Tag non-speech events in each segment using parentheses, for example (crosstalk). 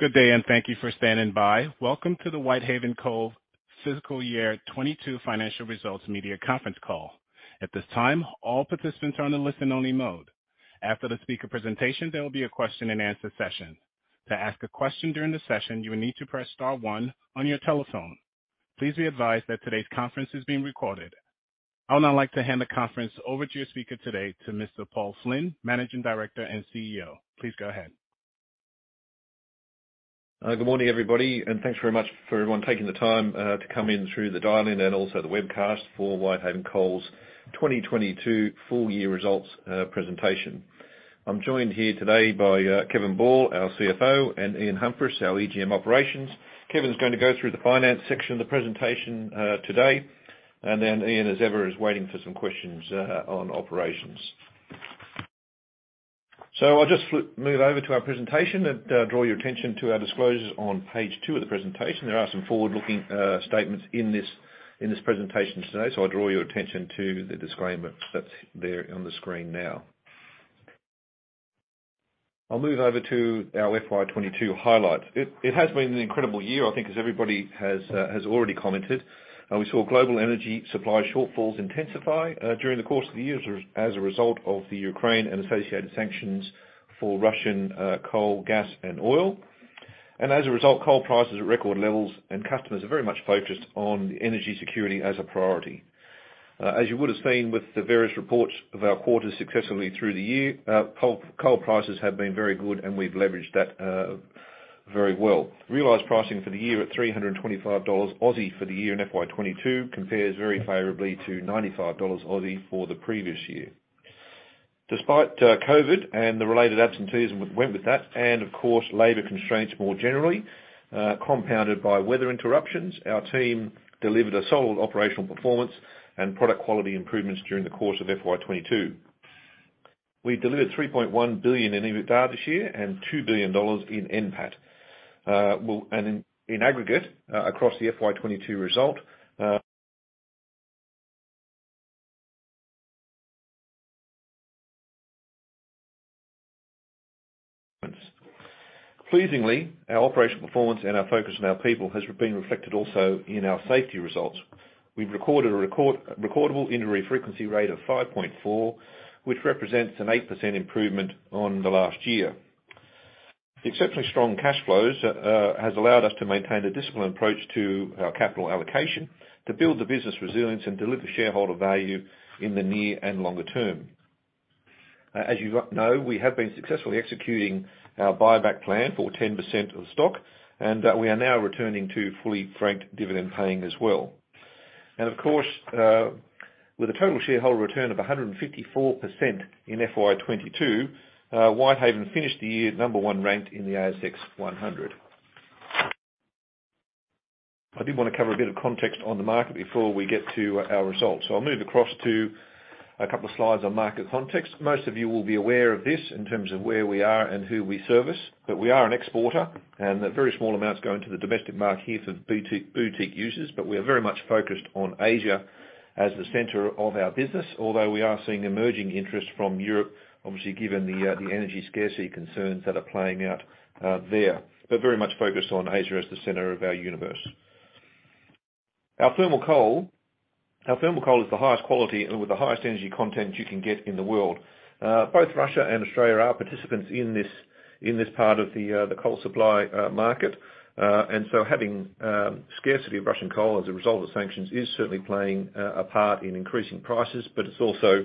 Good day, and thank you for standing by. Welcome to the Whitehaven Coal Fiscal Year 2022 Financial Results Media Conference Call. At this time, all participants are on the listen-only mode. After the speaker presentation, there will be a question-and-answer session. To ask a question during the session, you will need to press star one on your telephone. Please be advised that today's conference is being recorded. I would now like to hand the conference over to your speaker today, to Mr. Paul Flynn, Managing Director and CEO. Please go ahead. Good morning, everybody, and thanks very much for everyone taking the time to come in through the dial-in and also the webcast for Whitehaven Coal's 2022 Full Year Results Presentation. I'm joined here today by Kevin Ball, our CFO, and Ian Humphris, our EGM Operations. Kevin's going to go through the finance section of the presentation today, and then Ian, as ever, is waiting for some questions on operations. So, I'll just move over to our presentation and draw your attention to our disclosures on page two of the presentation. There are some forward-looking statements in this presentation today, so I'll draw your attention to the disclaimer that's there on the screen now. I'll move over to our FY 2022 highlights. It has been an incredible year, I think, as everybody has already commented. We saw global energy supply shortfalls intensify during the course of the year as a result of the Ukraine and associated sanctions for Russian coal, gas, and oil. And as a result, coal prices are at record levels, and customers are very much focused on energy security as a priority. As you would have seen with the various reports of our quarters successfully through the year, coal prices have been very good, and we've leveraged that very well. Realized pricing for the year at 325 Aussie dollars for the year in FY 2022 compares very favorably to 95 Aussie dollars for the previous year. Despite COVID and the related absenteeism that went with that, and of course, labor constraints more generally, compounded by weather interruptions, our team delivered a solid operational performance and product quality improvements during the course of FY 2022. We delivered 3.1 billion in EBITDA this year, and 2 billion dollars in NPAT, and in aggregate, across the FY 2022 result. Pleasingly, our operational performance and our focus on our people has been reflected also in our safety results. We've recorded a recordable injury frequency rate of 5.4, which represents an 8% improvement on the last year. The exceptionally strong cash flows have allowed us to maintain a disciplined approach to our capital allocation to build the business resilience and deliver shareholder value in the near and longer term. As you know, we have been successfully executing our buyback plan for 10% of the stock, and we are now returning to fully franked dividend paying as well, and of course, with a total shareholder return of 154% in FY 2022, Whitehaven finished the year number one ranked in the ASX 100. I did want to cover a bit of context on the market before we get to our results. So I'll move across to a couple of slides on market context. Most of you will be aware of this in terms of where we are and who we service. But we are an exporter, and very small amounts go into the domestic market here for boutique users. But we are very much focused on Asia as the center of our business, although we are seeing emerging interest from Europe, obviously given the energy scarcity concerns that are playing out there. But very much focused on Asia as the center of our universe. Our thermal coal is the highest quality, and with the highest energy content you can get in the world. Both Russia and Australia are participants in this part of the coal supply market, and so having scarcity of Russian coal as a result of sanctions is certainly playing a part in increasing prices, but it's also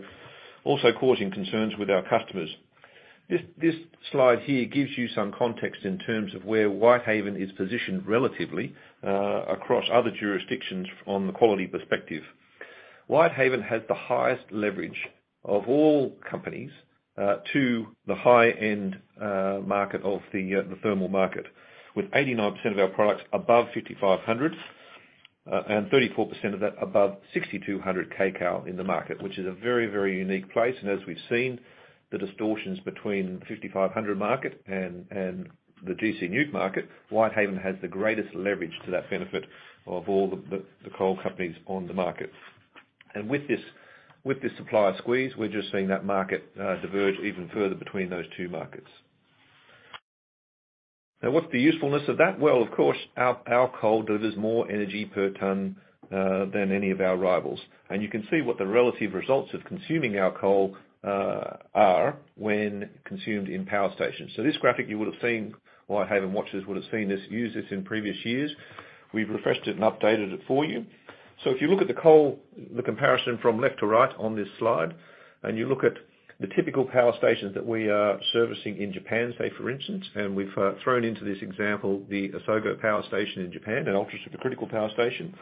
causing concerns with our customers. This slide here gives you some context in terms of where Whitehaven is positioned relatively across other jurisdictions on the quality perspective. Whitehaven has the highest leverage of all companies to the high-end market of the thermal market, with 89% of our products above 5500s kcal and 34% of that above 6200 kcal in the market, which is a very, very unique place, and as we've seen, the distortions between the 5500 kcal market and the gC NEWC market, Whitehaven has the greatest leverage to that benefit of all the coal companies on the market. With this supply squeeze, we're just seeing that market diverge even further between those two markets. What is the usefulness of that? Well, of course, our coal delivers more energy per ton than any of our rivals. You can see what the relative results of consuming our coal are when consumed in power stations. This graphic you would have seen. Whitehaven watchers would have seen this, used this in previous years. We've refreshed it and updated it for you. If you look at the comparison from left to right on this slide, and you look at the typical power stations that we are servicing in Japan, say for instance, and we've thrown into this example the Isogo Power Station in Japan, an ultra-super critical power station,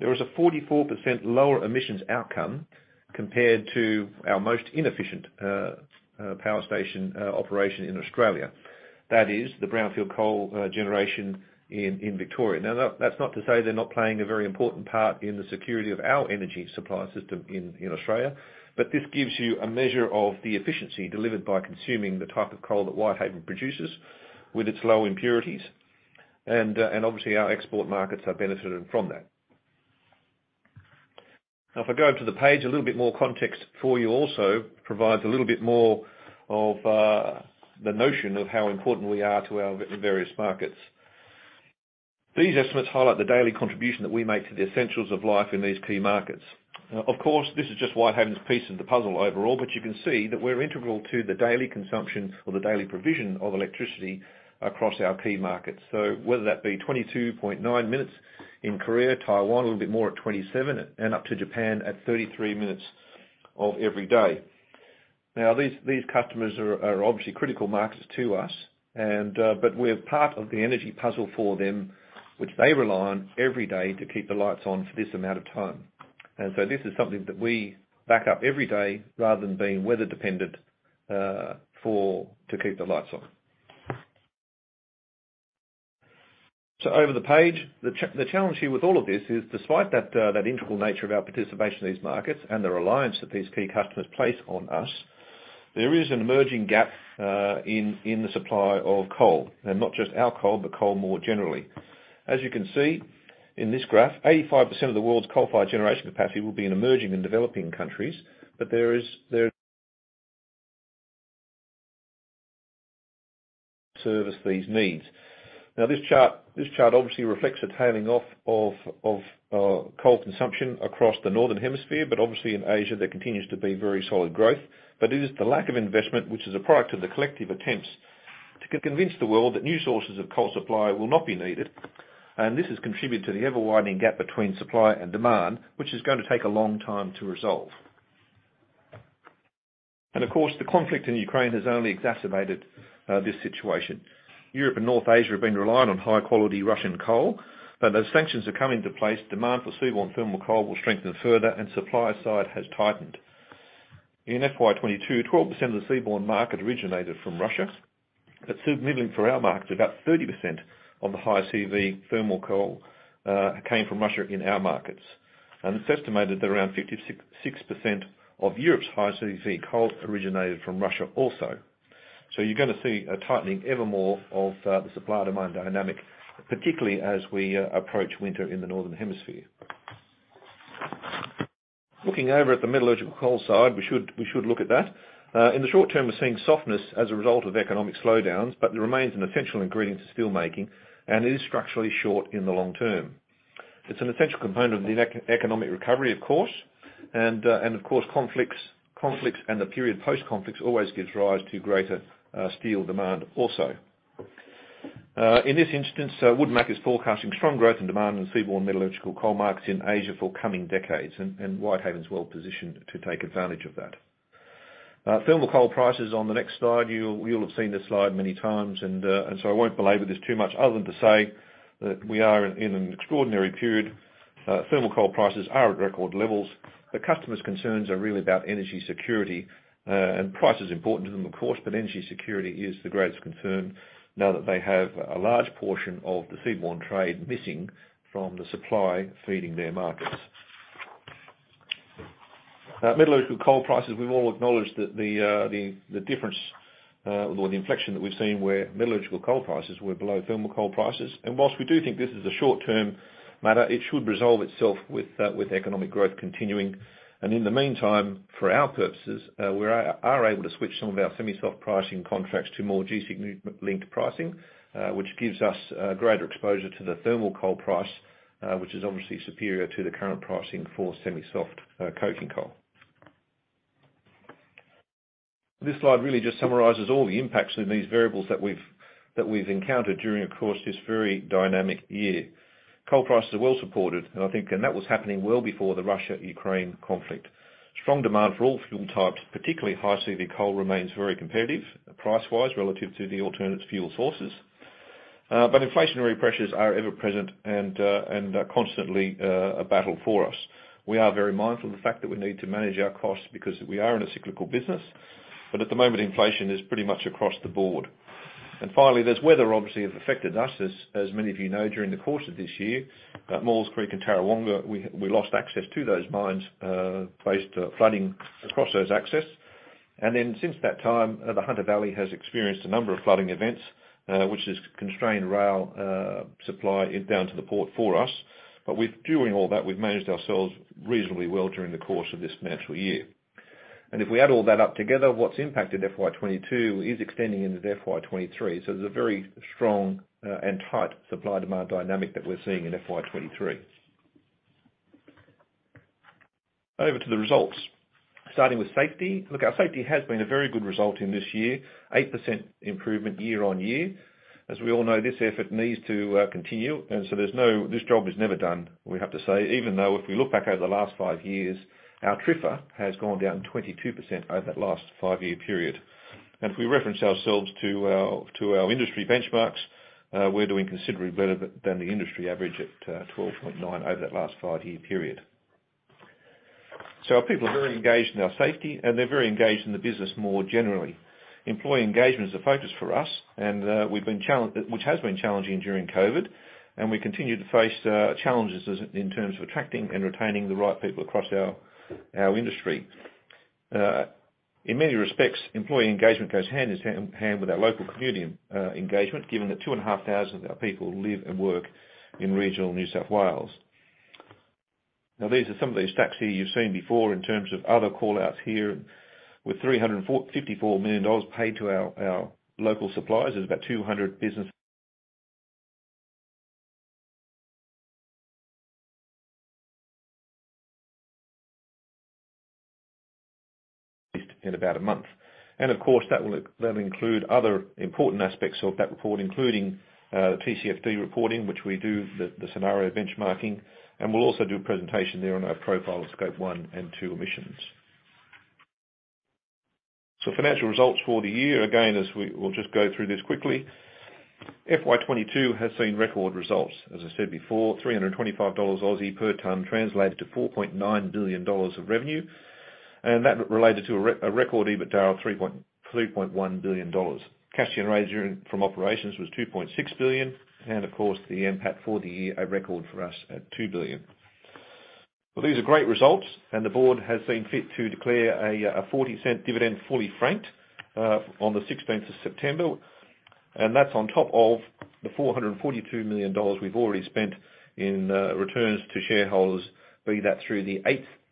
there is a 44% lower emissions outcome compared to our most inefficient power station operation in Australia. That is the brownfield coal generation in Victoria. Now, that's not to say they're not playing a very important part in the security of our energy supply system in Australia, but this gives you a measure of the efficiency delivered by consuming the type of coal that Whitehaven produces with its low impurities, and obviously, our export markets are benefiting from that. Now, if I go up to the page, a little bit more context for you also provides a little bit more of the notion of how important we are to our various markets. These estimates highlight the daily contribution that we make to the essentials of life in these key markets. Of course, this is just Whitehaven's piece of the puzzle overall, but you can see that we're integral to the daily consumption or the daily provision of electricity across our key markets. So whether that be 22.9 minutes in Korea, Taiwan, a little bit more at 27 minutes, and up to Japan at 33 minutes of every day. Now, these customers are obviously critical markets to us, but we're part of the energy puzzle for them, which they rely on every day to keep the lights on for this amount of time, and so this is something that we back up every day rather, than being weather-dependent to keep the lights on. So, over the page, the challenge here with all of this is, despite that integral nature of our participation in these markets and the reliance that these key customers place on us, there is an emerging gap in the supply of coal, and not just our coal, but coal more generally. As you can see in this graph, 85% of the world's coal-fired generation capacity will be in emerging and developing countries, but there is service these needs. Now, this chart obviously reflects a tailing off of coal consumption across the Northern Hemisphere, but obviously in Asia, there continues to be very solid growth, but it is the lack of investment, which is a product of the collective attempts to convince the world that new sources of coal supply will not be needed, and this has contributed to the ever-widening gap between supply and demand, which is going to take a long time to resolve. And of course, the conflict in Ukraine has only exacerbated this situation. Europe and North Asia have been reliant on high-quality Russian coal, but as sanctions are coming into place, demand for seaborne thermal coal will strengthen further, and supply side has tightened. In FY 2022, 12% of the seaborne market originated from Russia, but submitting for our markets, about 30% of the high-CV thermal coal came from Russia in our markets. And it's estimated that around 56% of Europe's high-CV coal originated from Russia, also. So you're going to see a tightening ever more of the supply-demand dynamic, particularly as we approach winter in the Northern Hemisphere. Looking over at the metallurgical coal side, we should look at that. In the short term, we're seeing softness as a result of economic slowdowns, but it remains an essential ingredient to steelmaking, and it is structurally short in the long term. It's an essential component of the economic recovery, of course. And of course, conflicts and the period post-conflicts always gives rise to greater steel demand also. In this instance, WoodMac is forecasting strong growth in demand in seaborne metallurgical coal markets in Asia for coming decades, and Whitehaven's well positioned to take advantage of that. Thermal coal prices on the next slide, you'll have seen this slide many times, and so I won't belabor this too much, other than to say that we are in an extraordinary period. Thermal coal prices are at record levels. The customers' concerns are really about energy security, and price is important to them, of course, but energy security is the greatest concern now that they have a large portion of the seaborne trade missing from the supply feeding their markets. Metallurgical coal prices, we've all acknowledged that the difference or the inflection that we've seen where metallurgical coal prices were below thermal coal prices. While we do think this is a short-term matter, it should resolve itself with economic growth continuing. In the meantime, for our purposes, we are able to switch some of our semi-soft pricing contracts to more gC NEWC-linked pricing, which gives us greater exposure to the thermal coal price, which is obviously superior to the current pricing for semi-soft coking coal. This slide really just summarizes all the impacts of these variables that we've encountered during, of course, this very dynamic year. Coal prices are well supported, and I think that was happening well before the Russia-Ukraine conflict. Strong demand for all fuel types, particularly high-CV coal, remains very competitive price-wise relative to the alternative fuel sources. Inflationary pressures are ever-present and constantly a battle for us. We are very mindful of the fact that we need to manage our costs because we are in a cyclical business, but at the moment, inflation is pretty much across the board. And finally, there's weather obviously that affected us, as many of you know, during the course of this year. At Maules Creek and Tarrawonga, we lost access to those mines, faced flooding across those access. And then since that time, the Hunter Valley has experienced a number of flooding events, which has constrained rail supply down to the port for us, but during all that, we've managed ourselves reasonably well during the course of this financial year, and if we add all that up together, what's impacted FY 2022 is extending into FY 2023, so there's a very strong and tight supply-demand dynamic that we're seeing in FY 2023. Over to the results. Starting with safety, look, our safety has been a very good result in this year, 8% improvement year on year. As we all know, this effort needs to continue, and so this job is never done, we have to say, even though if we look back over the last five years, our TRIFR has gone down 22% over that last five-year period. And if we reference ourselves to our industry benchmarks, we're doing considerably better than the industry average at 12.9% over the last five-year period. So our people are very engaged in our safety, and they're very engaged in the business more generally. Employee engagement is a focus for us, which has been challenging during COVID, and we continue to face challenges in terms of attracting and retaining the right people across our industry. In many respects, employee engagement goes hand in hand with our local community engagement, given that 2,500 of our people live and work in regional New South Wales. Now, these are some of these stats here you've seen before in terms of other callouts here. With 354 million dollars paid to our local suppliers, there's about 200 businesses in about a month, and of course, that will include other important aspects of that report, including TCFD reporting, which we do the scenario benchmarking, and we'll also do a presentation there on our profile of Scope 1 and 2 emissions. So, financial results for the year, again, as we'll just go through this quickly. FY 2022 has seen record results, as I said before, 325 Aussie dollars per ton translated to 4.9 billion dollars of revenue, and that related to a record EBITDA of 3.1 billion dollars. Cash generation from operations was 2.6 billion, and of course, the impact for the year a record for us at 2 billion. Well, these are great results, and the board has been fit to declare a 0.40 dividend fully franked on the 16th of September, and that's on top of the 442 million dollars we've already spent in returns to shareholders, be that through the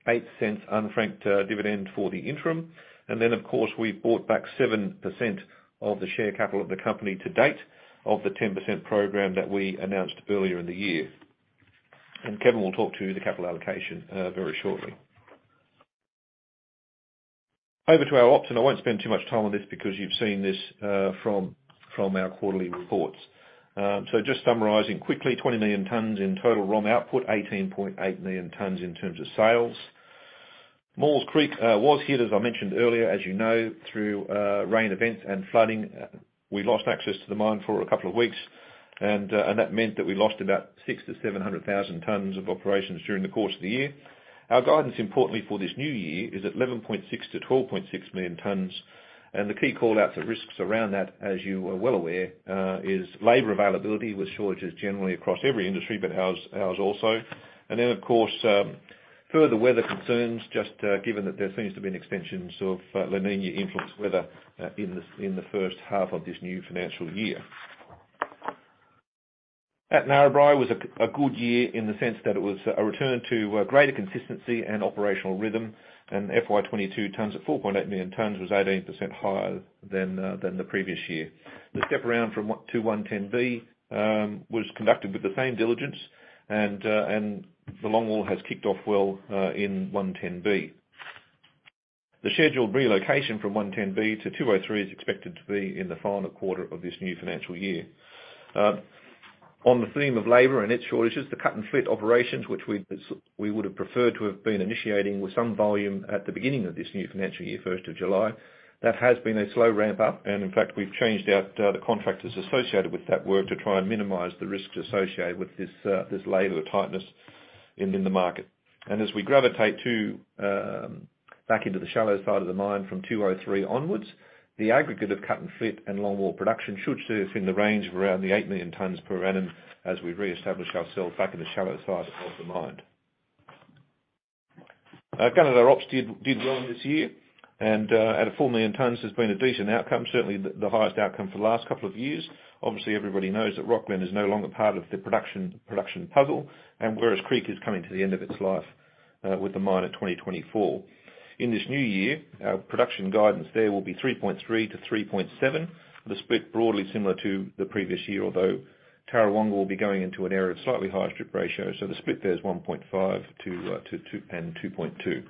0.08 unfranked dividend for the interim. And then, of course, we've bought back 7% of the share capital of the company to date of the 10% program that we announced earlier in the year. And Kevin will talk to the capital allocation very shortly. Over to our ops, and I won't spend too much time on this because you've seen this from our quarterly reports. So just summarizing quickly, 20 million tons in total ROM output, 18.8 million tons in terms of sales. Maules Creek was hit, as I mentioned earlier, as you know, through rain events and flooding. We lost access to the mine for a couple of weeks, and that meant that we lost about 600,000-700,000 tons of operations during the course of the year. Our guidance, importantly, for this new year is at 11.6-12.6 million tons, and the key callouts or risks around that, as you are well aware, is labor availability, with shortages generally across every industry, but ours also. And then, of course, further weather concerns, just given that there seems to be an extension of La Niña influence weather in the first half of this new financial year. At Narrabri was a good year in the sense that it was a return to greater consistency and operational rhythm, and FY 2022, tons at 4.8 million tons was 18% higher than the previous year. The step around from 110B was conducted with the same diligence, and the longwall has kicked off well in 110B. The scheduled relocation from 110B to 203 is expected to be in the final quarter of this new financial year. On the theme of labor and its shortages, the cut-and-flit operations, which we would have preferred to have been initiating with some volume at the beginning of this new financial year, 1st of July, that has been a slow ramp-up, and in fact, we've changed out the contractors associated with that work to try and minimize the risks associated with this labor tightness in the market. As we gravitate back into the shallow side of the mine from 203 onwards, the aggregate of cut and flit longwall production should surface in the range of around 8 million tons per annum as we reestablish ourselves back in the shallow side of the mine. Kind of our ops did well in this year, and at 4 million tons, there's been a decent outcome, certainly the highest outcome for the last couple of years. Obviously, everybody knows that Rocglen is no longer part of the production puzzle, and Werris Creek is coming to the end of its life with the mine at 2024. In this new year, our production guidance there will be 3.3 Mt-3.7 Mt, the split broadly similar to the previous year, although Tarrawonga will be going into an area of slightly higher strip ratio, so the split there is 1.5 Mt and 2.2 Mt.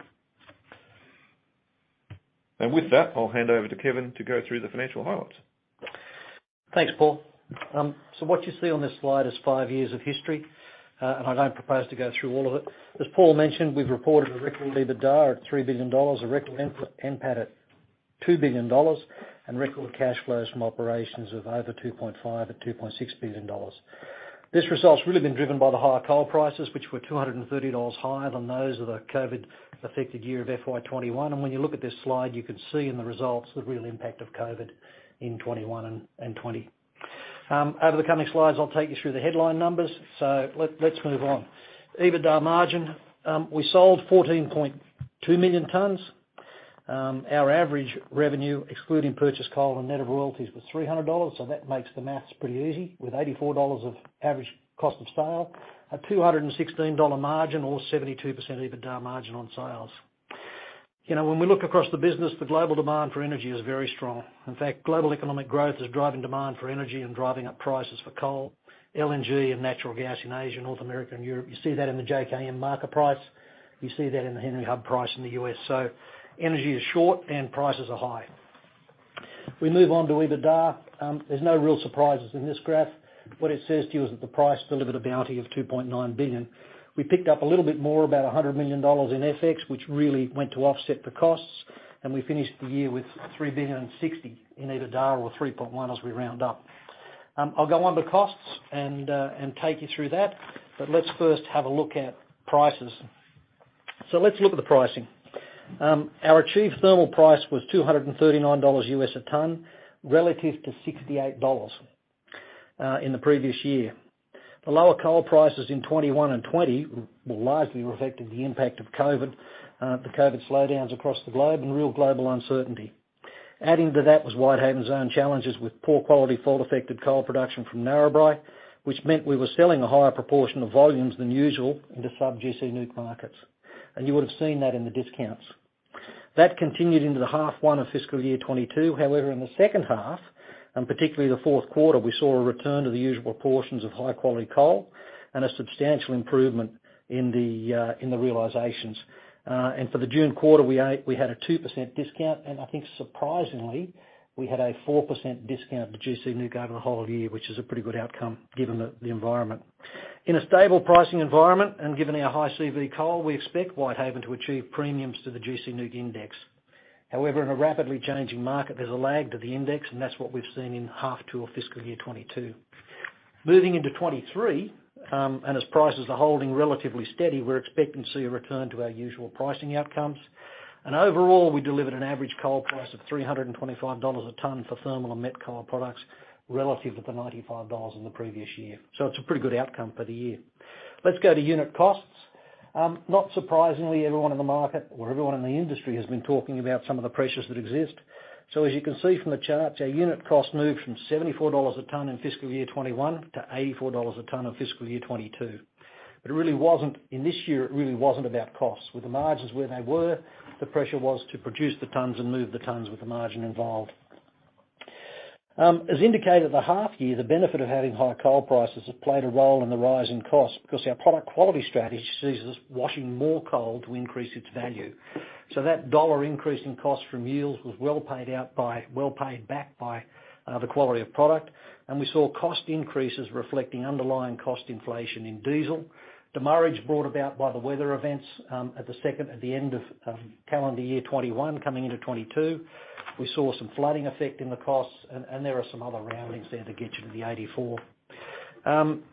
With that, I'll hand over to Kevin to go through the financial highlights. Thanks, Paul. What you see on this slide is five years of history, and I don't propose to go through all of it. As Paul mentioned, we've reported a record EBITDA of 3 billion dollars, a record NPAT at 2 billion dollars, and record cash flows from operations of over 2.5 at 2.6 billion dollars. This result has really been driven by the higher coal prices, which were 230 dollars higher than those of the COVID-affected year of FY 2021. When you look at this slide, you can see in the results the real impact of COVID in 2021 and 2020. Over the coming slides, I'll take you through the headline numbers, so let's move on. EBITDA margin, we sold 14.2 million tons. Our average revenue, excluding purchase coal and net of royalties, was 300 dollars, so that makes the math pretty easy. With 84 dollars of average cost of sale, a 216 dollar margin or 72% EBITDA margin on sales. When we look across the business, the global demand for energy is very strong. In fact, global economic growth is driving demand for energy and driving up prices for coal, LNG, and natural gas in Asia, North America, and Europe. You see that in the JKM marker price. You see that in the Henry Hub price in the U.S. So, energy is short and prices are high. We move on to EBITDA. There's no real surprises in this graph. What it says to you is that the price delivered a bounty 2.9 billion. We picked up a little bit more, about 100 million dollars in FX, which really went to offset the costs, and we finished the year with 3.06 billion in EBITDA or 3.1 billion as we round up. I'll go on to costs and take you through that, but let's first have a look at prices. So let's look at the pricing. Our achieved thermal price was $239 a ton, relative to $68 in the previous year. The lower coal prices in 2021 and 2020 were largely reflecting the impact of COVID, the COVID slowdowns across the globe, and real global uncertainty. Adding to that was Whitehaven's own challenges with poor quality fault-affected coal production from Narrabri, which meant we were selling a higher proportion of volumes than usual into sub gC NEWC markets. And you would have seen that in the discounts. That continued into the half one of fiscal year 2022. However, in the second half, and particularly the fourth quarter, we saw a return to the usual proportions of high-quality coal and a substantial improvement in the realizations. And for the June quarter, we had a 2% discount, and I think surprisingly, we had a 4% discount to gC NEWC over the whole year, which is a pretty good outcome given the environment. In a stable pricing environment and given our high-CV coal, we expect Whitehaven to achieve premiums to the gC NEWC index. However, in a rapidly changing market, there's a lag to the index, and that's what we've seen in half two of fiscal year 2022. Moving into 2023, and as prices are holding relatively steady, we're expecting to see a return to our usual pricing outcomes. Overall, we delivered an average coal price of 325 dollars a ton for thermal and met coal products relative to the 95 dollars in the previous year. It's a pretty good outcome for the year. Let's go to unit costs. Not surprisingly, everyone in the market or everyone in the industry has been talking about some of the pressures that exist. As you can see from the chart, our unit cost moved from 74 dollars a ton in fiscal year 2021 to 84 dollars a ton in fiscal year 2022. It really wasn't, in this year, it really wasn't about costs. With the margins where they were, the pressure was to produce the tons and move the tons with the margin involved. As indicated, the half year, the benefit of having high coal prices has played a role in the rising costs because our product quality strategy sees us washing more coal to increase its value. So that dollar increase in costs from yields was well paid back by the quality of product, and we saw cost increases reflecting underlying cost inflation in diesel. The demurrage brought about by the weather events at the end of calendar year 2021, coming into 2022. We saw some flooding effect in the costs, and there are some other roundings there to get you to the 84.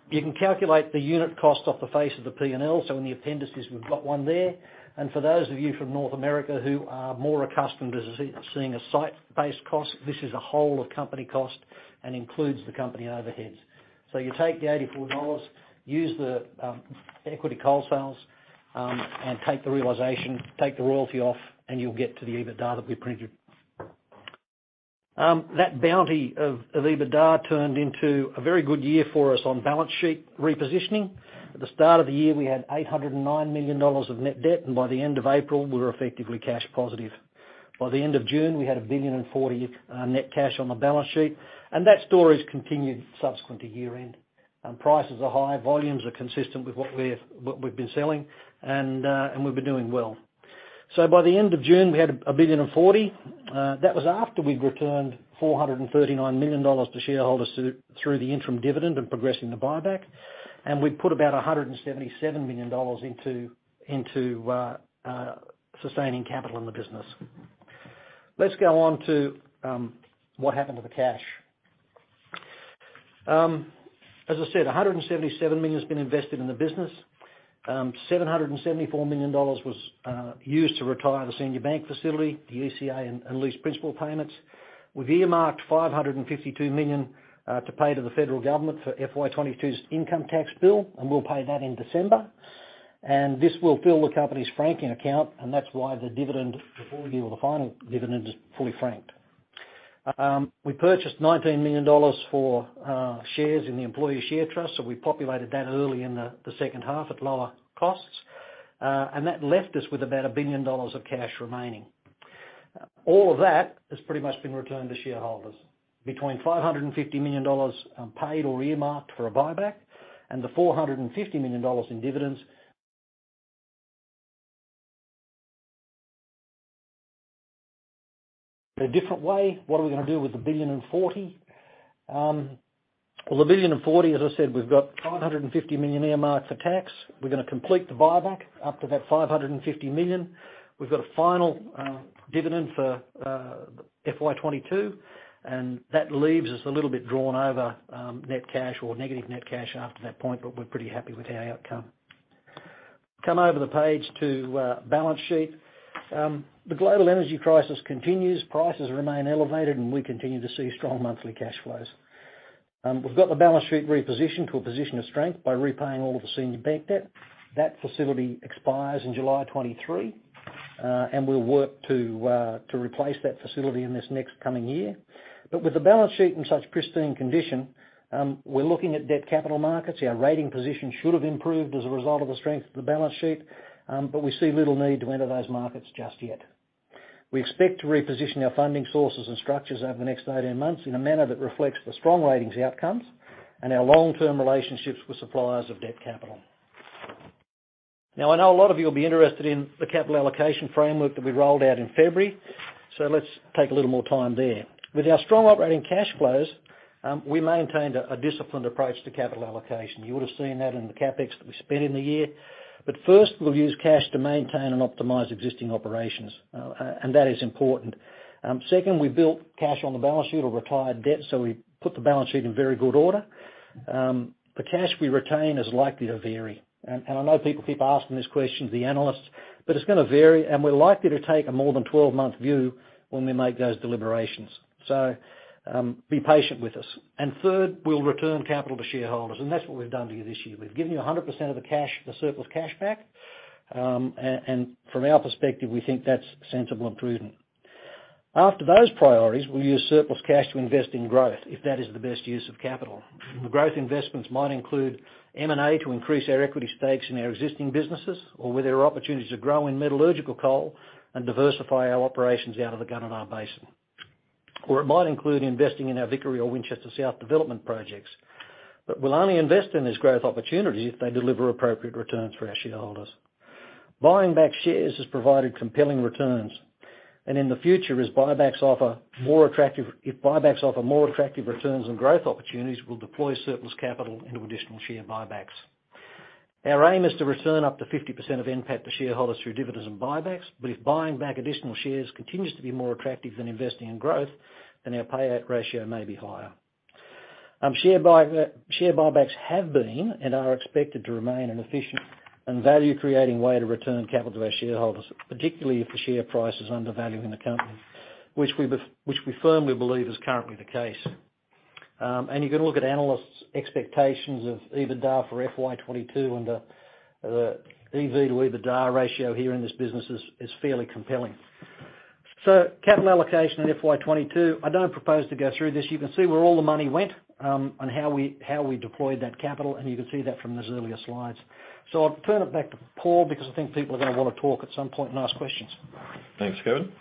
You can calculate the unit cost off the face of the P&L, so in the appendices, we've got one there. And for those of you from North America who are more accustomed to seeing a site-based cost, this is a whole-of-company cost and includes the company overheads. So you take the 84 dollars, use the equity coal sales, and take the realization, take the royalty off, and you'll get to the EBITDA that we printed. That bounty of EBITDA turned into a very good year for us on balance sheet repositioning. At the start of the year, we had 809 million dollars of net debt, and by the end of April, we were effectively cash positive. By the end of June, we had 1.04 billion net cash on the balance sheet, and that story has continued subsequent to year-end. Prices are high, volumes are consistent with what we've been selling, and we've been doing well. So by the end of June, we had 1.04 billion. That was after we'd returned 439 million dollars to shareholders through the interim dividend and progressing the buyback, and we'd put about 177 million dollars into sustaining capital in the business. Let's go on to what happened to the cash. As I said, 177 million has been invested in the business. 774 million dollars was used to retire the senior bank facility, the ECA, and lease principal payments. We've earmarked 552 million to pay to the federal government for FY 2022's income tax bill, and we'll pay that in December. This will fill the company's franking account, and that's why the dividend, the final dividend, is fully franked. We purchased 19 million dollars for shares in the employee share trust, so we populated that early in the second half at lower costs, and that left us with about a billion dollars of cash remaining. All of that has pretty much been returned to shareholders. Between 550 million dollars paid or earmarked for a buyback and the 450 million dollars in dividends. In a different way, what are we going to do with the 1.40? The 1.04 billion, as I said, we've got 550 million earmarked for tax. We're going to complete the buyback up to that 550 million. We've got a final dividend for FY 2022, and that leaves us a little bit drawn over net cash or negative net cash after that point, but we're pretty happy with our outcome. Come over the page to balance sheet. The global energy crisis continues, prices remain elevated, and we continue to see strong monthly cash flows. We've got the balance sheet repositioned to a position of strength by repaying all of the senior bank debt. That facility expires in July 2023, and we'll work to replace that facility in this next coming year. With the balance sheet in such pristine condition, we're looking at debt capital markets. Our rating position should have improved as a result of the strength of the balance sheet, but we see little need to enter those markets just yet. We expect to reposition our funding sources and structures over the next 18 months in a manner that reflects the strong ratings outcomes and our long-term relationships with suppliers of debt capital. Now, I know a lot of you will be interested in the capital allocation framework that we rolled out in February, so let's take a little more time there. With our strong operating cash flows, we maintained a disciplined approach to capital allocation. You would have seen that in the CapEx that we spent in the year. But first, we'll use cash to maintain and optimize existing operations, and that is important. Second, we built cash on the balance sheet or retired debt, so we put the balance sheet in very good order. The cash we retain is likely to vary. And I know people keep asking this question, the analysts, but it's going to vary, and we're likely to take a more than 12-month view when we make those deliberations. So, be patient with us. And third, we'll return capital to shareholders, and that's what we've done to you this year. We've given you 100% of the surplus cash back, and from our perspective, we think that's sensible and prudent. After those priorities, we'll use surplus cash to invest in growth if that is the best use of capital. The growth investments might include M&A to increase our equity stakes in our existing businesses or with our opportunities to grow in metallurgical coal and diversify our operations out of the Gunnedah Basin. Or it might include investing in our Vickery or Winchester South development projects. But we'll only invest in these growth opportunities if they deliver appropriate returns for our shareholders. Buying back shares has provided compelling returns, and in the future, if buybacks offer more attractive returns and growth opportunities, we'll deploy surplus capital into additional share buybacks. Our aim is to return up to 50% of NPAT to shareholders through dividends and buybacks, but if buying back additional shares continues to be more attractive than investing in growth, then our payout ratio may be higher. Share buybacks have been and are expected to remain an efficient and value-creating way to return capital to our shareholders, particularly if the share price is undervaluing the company, which we firmly believe is currently the case. You can look at analysts' expectations of EBITDA for FY 2022, and the EV to EBITDA ratio here in this business is fairly compelling, so capital allocation in FY 2022, I don't propose to go through this. You can see where all the money went and how we deployed that capital, and you can see that from those earlier slides, so I'll turn it back to Paul because I think people are going to want to talk at some point and ask questions. Thanks, Kevin.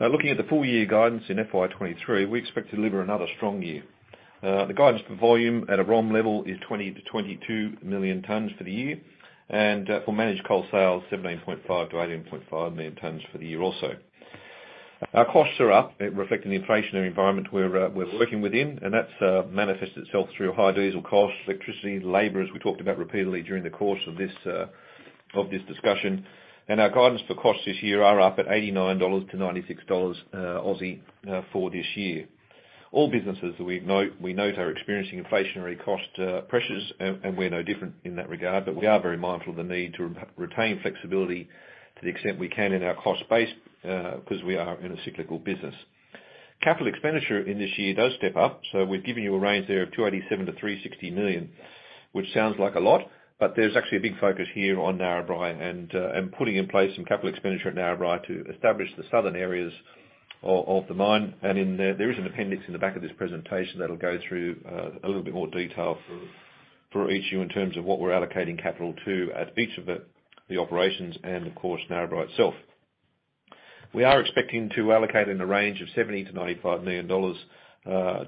Looking at the four-year guidance in FY 2023, we expect to deliver another strong year. The guidance for volume at a ROM level is 20-22 million tons for the year, and for managed coal sales, 17.5-18.5 million tons for the year also. Our costs are up, reflecting the inflationary environment we're working within, and that's manifested itself through high diesel costs, electricity, labor, as we talked about repeatedly during the course of this discussion. And our guidance for costs this year are up at 89-96 dollars for this year. All businesses that we note are experiencing inflationary cost pressures, and we're no different in that regard, but we are very mindful of the need to retain flexibility to the extent we can in our cost base because we are in a cyclical business. Capital expenditure in this year does step up, so we've given you a range there of 287 million-360 million, which sounds like a lot, but there's actually a big focus here on Narrabri and putting in place some capital expenditure at Narrabri to establish the southern areas of the mine, and there is an appendix in the back of this presentation that'll go through a little bit more detail for each of you in terms of what we're allocating capital to at each of the operations and, of course, Narrabri itself. We are expecting to allocate in a range of 70 million-95 million dollars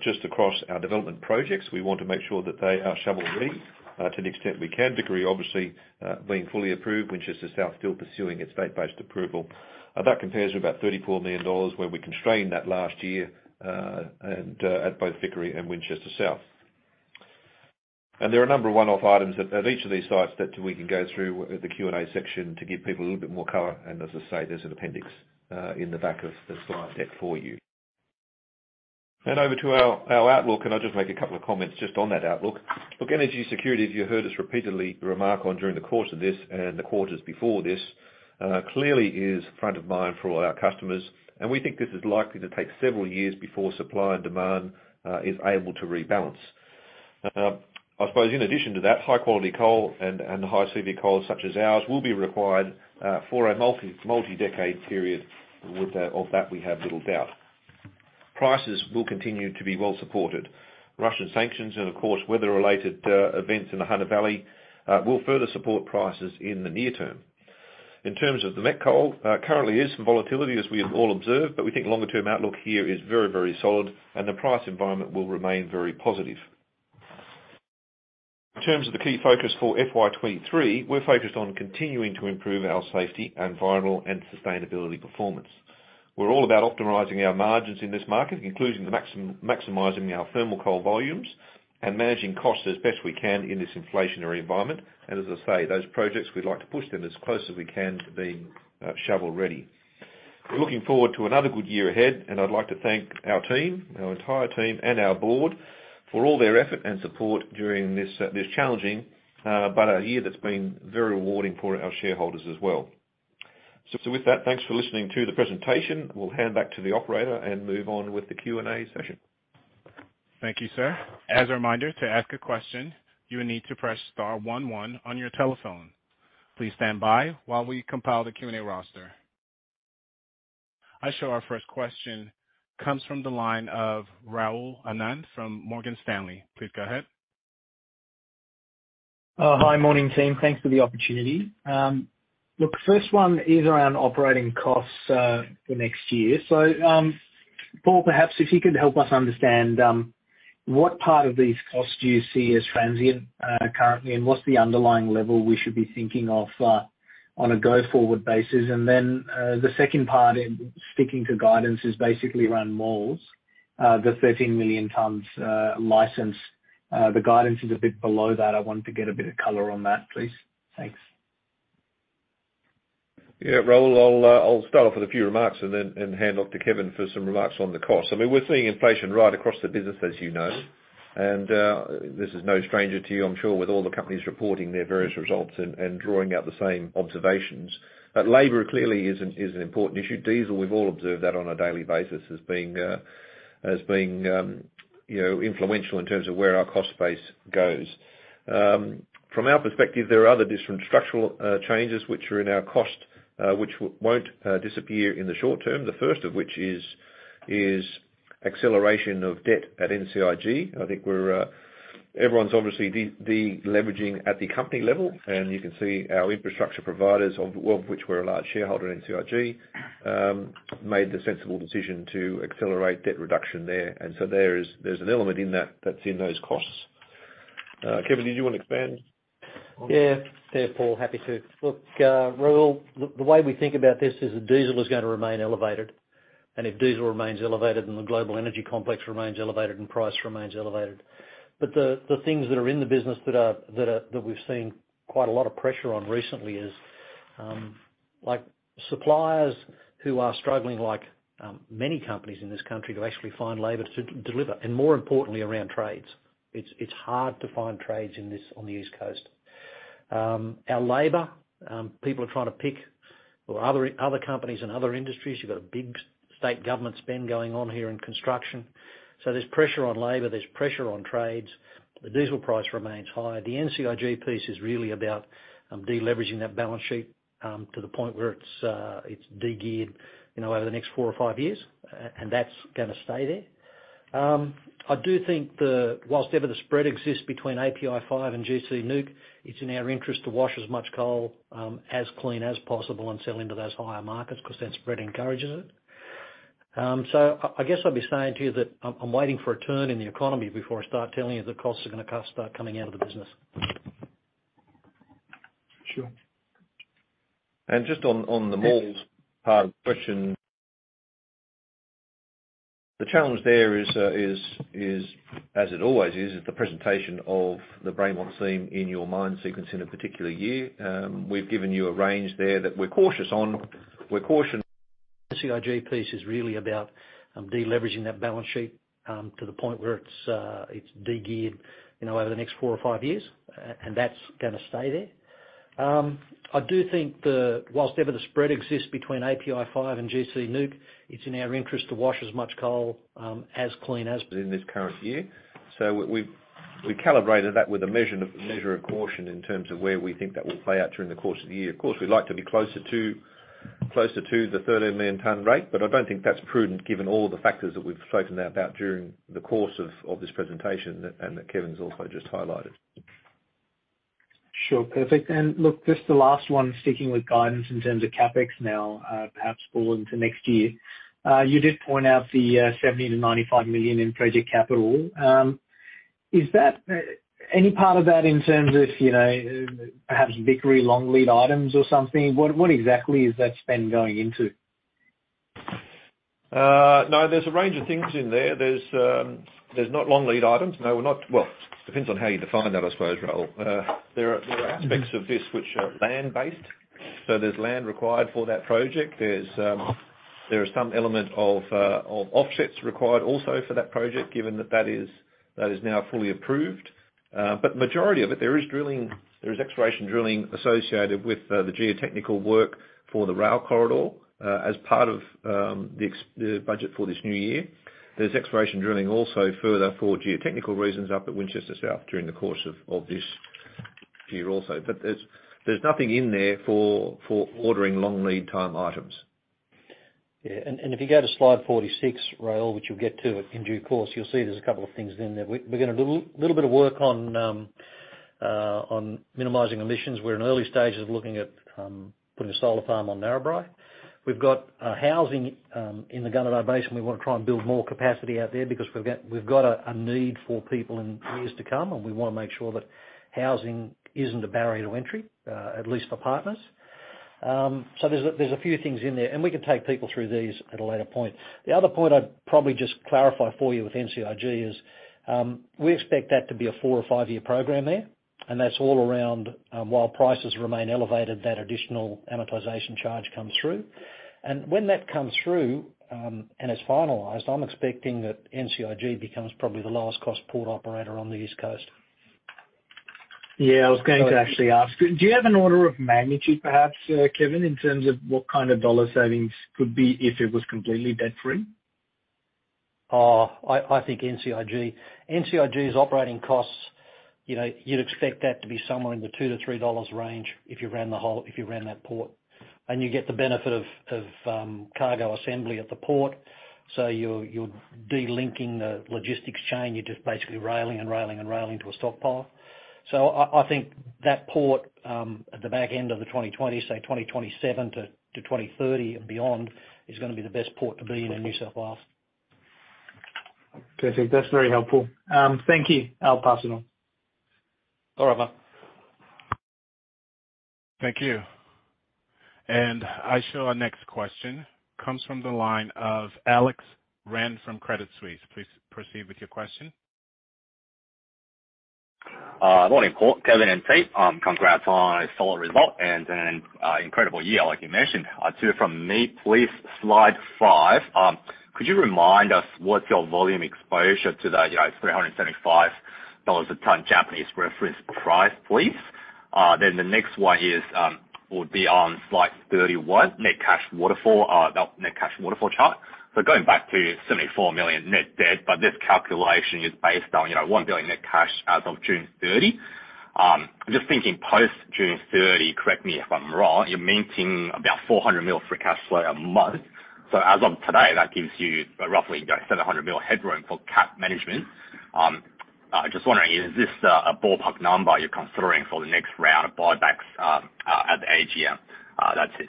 just across our development projects. We want to make sure that they are shovel-ready to the extent we can, Vickery obviously being fully approved, Winchester South still pursuing its state-based approval. That compares to about 34 million dollars, where we constrained that last year at both Vickery and Winchester South. And there are a number of one-off items at each of these sites that we can go through the Q&A section to give people a little bit more color, and as I say, there's an appendix in the back of the slide deck for you. And over to our outlook, and I'll just make a couple of comments just on that outlook. Look, energy security, as you heard us repeatedly remark on during the course of this and the quarters before this, clearly is front of mind for all our customers, and we think this is likely to take several years before supply and demand is able to rebalance. I suppose in addition to that, high-quality coal and high-CV coal such as ours will be required for a multi-decade period, of that we have little doubt. Prices will continue to be well supported. Russian sanctions and, of course, weather-related events in the Hunter Valley will further support prices in the near term. In terms of the met coal, currently there is some volatility as we have all observed, but we think longer-term outlook here is very, very solid, and the price environment will remain very positive. In terms of the key focus for FY 2023, we're focused on continuing to improve our safety, environmental, and sustainability performance. We're all about optimizing our margins in this market, including maximizing our thermal coal volumes and managing costs as best we can in this inflationary environment. As I say, those projects, we'd like to push them as close as we can to being shovel-ready. We're looking forward to another good year ahead, and I'd like to thank our team, our entire team, and our Board for all their effort and support during this challenging, but a year that's been very rewarding for our shareholders as well. With that, thanks for listening to the presentation. We'll hand back to the operator and move on with the Q&A session. Thank you, sir. As a reminder, to ask a question, you will need to press star one one on your telephone. Please stand by while we compile the Q&A roster. I show our first question comes from the line of Rahul Anand from Morgan Stanley. Please go ahead. Hi, morning team. Thanks for the opportunity. Look, the first one is around operating costs for next year. So Paul, perhaps if you could help us understand what part of these costs do you see as transient currently, and what's the underlying level we should be thinking of on a go-forward basis. And then the second part, sticking to guidance, is basically around Maules, the 13 million tons license. The guidance is a bit below that. I want to get a bit of color on that, please. Thanks. Yeah, Rahul, I'll start off with a few remarks and then hand off to Kevin for some remarks on the costs. I mean, we're seeing inflation rise across the business, as you know, and this is no stranger to you, I'm sure, with all the companies reporting their various results and drawing out the same observations. Labor clearly is an important issue. Diesel, we've all observed that on a daily basis, has been influential in terms of where our cost base goes. From our perspective, there are other different structural changes which are in our costs which won't disappear in the short term. The first of which is acceleration of debt at NCIG. I think everyone's obviously deleveraging at the company level, and you can see our infrastructure providers, of which we're a large shareholder in NCIG, made the sensible decision to accelerate debt reduction there. And so there's an element in that that's in those costs. Kevin, did you want to expand? Yeah, Paul, happy to. Look, Rahul, the way we think about this is that diesel is going to remain elevated, and if diesel remains elevated, then the global energy complex remains elevated and the price remains elevated. But the things that are in the business that we've seen quite a lot of pressure on recently is, like suppliers who are struggling, like many companies in this country, to actually find labor to deliver. And more importantly, around trades. It's hard to find trades on the East Coast. Our labor, people are trying to pick other companies and other industries. You've got a big state government spend going on here in construction. So there's pressure on labor. There's pressure on trades. The diesel price remains high. The NCIG piece is really about deleveraging that balance sheet to the point where it's degeared over the next four or five years, and that's going to stay there. I do think that whilst ever the spread exists between API 5 and gC NEWC, it's in our interest to wash as much coal as clean as possible and sell into those higher markets because then spread encourages it. So I guess I'll be saying to you that I'm waiting for a turn in the economy before I start telling you that costs are going to start coming out of the business. Sure. And just on the Maules part of the question, the challenge there is, as it always is, the presentation of the seam in your mine sequence in a particular year. We've given you a range there that we're cautious on. We're cautious. NCIG piece is really about deleveraging that balance sheet to the point where it's degeared over the next four or five years, and that's going to stay there. I do think that whilst ever the spread exists between API 5 and gC NEWC, it's in our interest to wash as much coal as clean as. In this current year. So we calibrated that with a measure of caution in terms of where we think that will play out during the course of the year. Of course, we'd like to be closer to the 13 million ton rate, but I don't think that's prudent given all the factors that we've spoken about during the course of this presentation and that Kevin's also just highlighted. Sure, perfect. And look, just the last one, sticking with guidance in terms of CapEx now, perhaps fall into next year. You did point out the 70 million-95 million in project capital. Is that any part of that in terms of perhaps Vickery long lead items or something? What exactly is that spend going into? No, there's a range of things in there. There's not long lead items. No, we're not. Well, it depends on how you define that, I suppose, Rahul. There are aspects of this which are land-based. So there's land required for that project. There are some elements of offsets required also for that project given that that is now fully approved. But the majority of it, there is drilling. There is exploration drilling associated with the geotechnical work for the Rail Corridor as part of the budget for this new year. There's exploration drilling also further for geotechnical reasons up at Winchester South during the course of this year, also. But there's nothing in there for ordering long lead time items. Yeah, and if you go to slide 46, Rahul, which you'll get to in due course, you'll see there's a couple of things in there. We're going to do a little bit of work on minimizing emissions. We're in the early stages of looking at putting a solar farm on Narrabri. We've got housing in the Gunnedah Basin. We want to try and build more capacity out there because we've got a need for people in years to come, and we want to make sure that housing isn't a barrier to entry, at least for partners. So, there's a few things in there, and we can take people through these at a later point. The other point I'd probably just clarify for you with NCIG is we expect that to be a four or five-year program there, and that's all around while prices remain elevated, that additional amortization charge comes through, and when that comes through and it's finalized, I'm expecting that NCIG becomes probably the lowest-cost port operator on the East Coast. Yeah, I was going to actually ask, do you have an order of magnitude, perhaps, Kevin, in terms of what kind of dollar savings could be if it was completely debt-free? I think NCIG. NCIG's operating costs, you'd expect that to be somewhere in the 2-3 dollars range if you ran that port, and you get the benefit of cargo assembly at the port, so you're delinking the logistics chain. You're just basically railing and railing and railing to a stockpile. So I think that port at the back end of the 2020s, say 2027-2030 and beyond, is going to be the best port to be in the New South Wales. Perfect. That's very helpful. Thank you. I'll pass it on. All right, mate. Thank you. And I show our next question comes from the line of Alex Ren from Credit Suisse. Please proceed with your question. Good morning, Paul, Kevin, and team. Congrats on a solid result and an incredible year, like you mentioned. Two from me. Please, slide five, could you remind us what's your volume exposure to that? It's $375 a ton, Japanese reference price, please. Then the next one would be on slide 31, net cash waterfall, net cash waterfall chart. So, going back to 74 million net debt, but this calculation is based on 1 billion net cash as of June 30. I'm just thinking post-June 30, correct me if I'm wrong, you're minting about 400 million free cash flow a month. So as of today, that gives you roughly 700 million headroom for cap management. Just wondering, is this a ballpark number you're considering for the next round of buybacks at the AGM? That's it.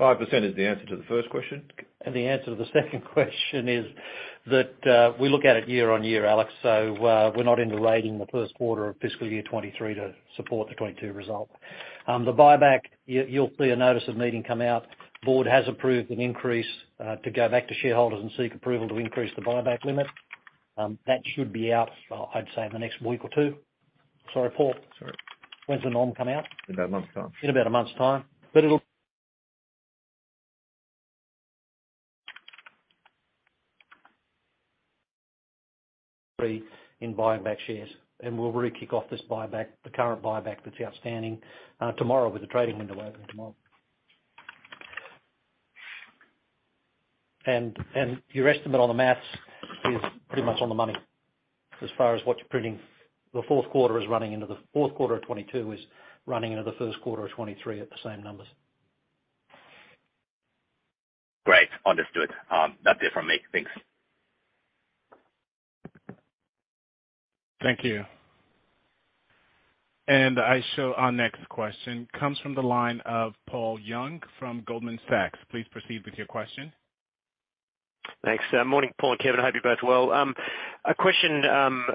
5% is the answer to the first question. The answer to the second question is that we look at it year-on-year, Alex, so we're not interrelating the first quarter of fiscal year 2023 to support the 2022 result. The buyback, you'll see a notice of meeting come out. The Board has approved an increase to go back to shareholders and seek approval to increase the buyback limit. That should be out, I'd say, in the next week or two. Sorry, Paul. It's all right. When's the norm coming out? In about a month's time. In about a month's time. But it'll be in buying back shares. And we'll really kick off this buyback, the current buyback that's outstanding, tomorrow with the trading window open tomorrow. And your estimate on the math is pretty much on the money, as far as what you're printing. The fourth quarter is running into the fourth quarter of 2022, is running into the first quarter of 2023 at the same numbers. Great, understood. That's it from me. Thanks. Thank you. And I show our next question comes from the line of Paul Young from Goldman Sachs. Please proceed with your question. Thanks. Morning, Paul and Kevin. I hope you're both well. A question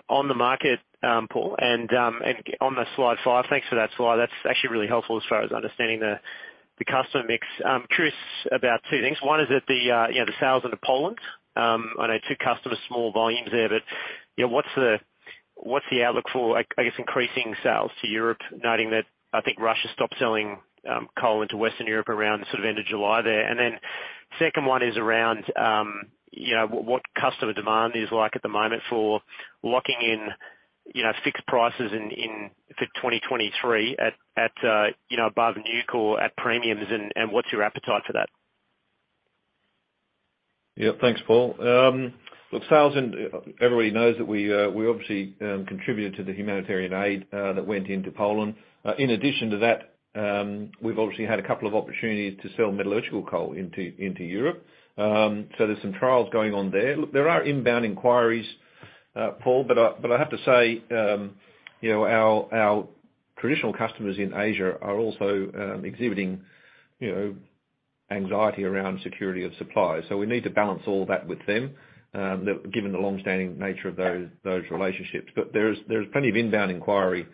on the market, Paul, and on the slide five, thanks for that slide. That's actually really helpful as far as understanding the customer mix. I'm curious about two things. One is that the sales into Poland, I know two customers, small volumes there, but what's the outlook for, I guess, increasing sales to Europe, noting that I think Russia stopped selling coal into Western Europe around sort of end of July there? And then second one is around what customer demand is like at the moment for locking in fixed prices for 2023 at above gC NEWC at premiums, and what's your appetite for that? Yeah, thanks, Paul. Look, as everyone knows that we obviously contributed to the humanitarian aid that went into Poland. In addition to that, we've obviously had a couple of opportunities to sell metallurgical coal into Europe. So there's some trials going on there. Look, there are inbound inquiries, Paul, but I have to say our traditional customers in Asia are also exhibiting anxiety around security of supplies. So we need to balance all that with them given the long-standing nature of those relationships. But there's plenty of inbound inquiry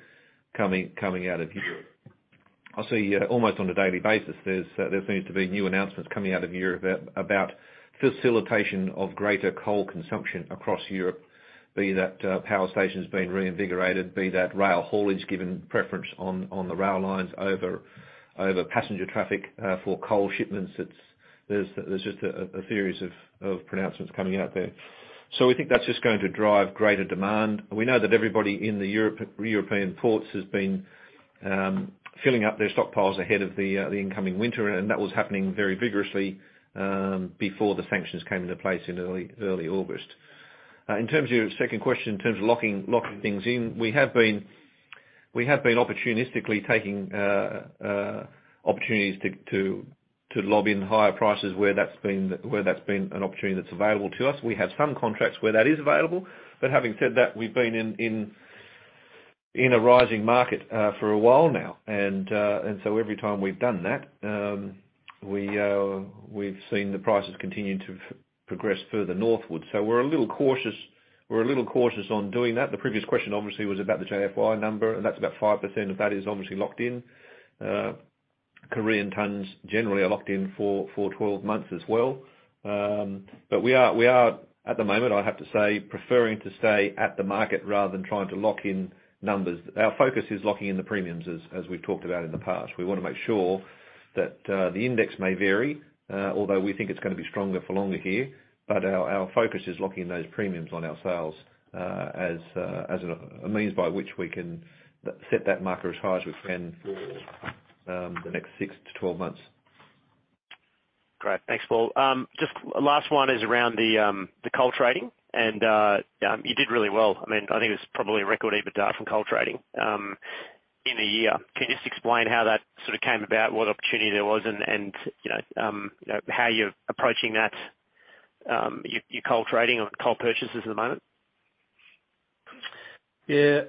coming out of Europe. I see almost on a daily basis, there seems to be new announcements coming out of Europe about facilitation of greater coal consumption across Europe, be that power stations being reinvigorated, be that rail haulage given preference on the rail lines over passenger traffic for coal shipments. There's just a series of pronouncements coming out there. We think that's just going to drive greater demand. We know that everybody in the European ports has been filling up their stockpiles ahead of the incoming winter, and that was happening very vigorously before the sanctions came into place in early August. In terms of your second question, in terms of locking things in, we have been opportunistically taking opportunities to lock in higher prices where that's been an opportunity that's available to us. We have some contracts where that is available. But having said that, we've been in a rising market for a while now. And so every time we've done that, we've seen the prices continue to progress further northward. We're a little cautious on doing that. The previous question obviously was about the JFY number, and that's about 5% of that is obviously locked in. Korean tons generally are locked in for 12 months as well. But we are, at the moment, I have to say, preferring to stay at the market rather than trying to lock in numbers. Our focus is locking in the premiums, as we've talked about in the past. We want to make sure that the index may vary, although we think it's going to be stronger for longer here. But our focus is locking in those premiums on our sales as a means by which we can set that marker as high as we can for the next six to 12 months. Great, thanks, Paul. Just last one is around the coal trading, and you did really well. I mean, I think it was probably a record EBITDA from coal trading in a year. Can you just explain how that sort of came about, what opportunity there was, and how you're approaching that, your coal trading or coal purchases at the moment? Yeah.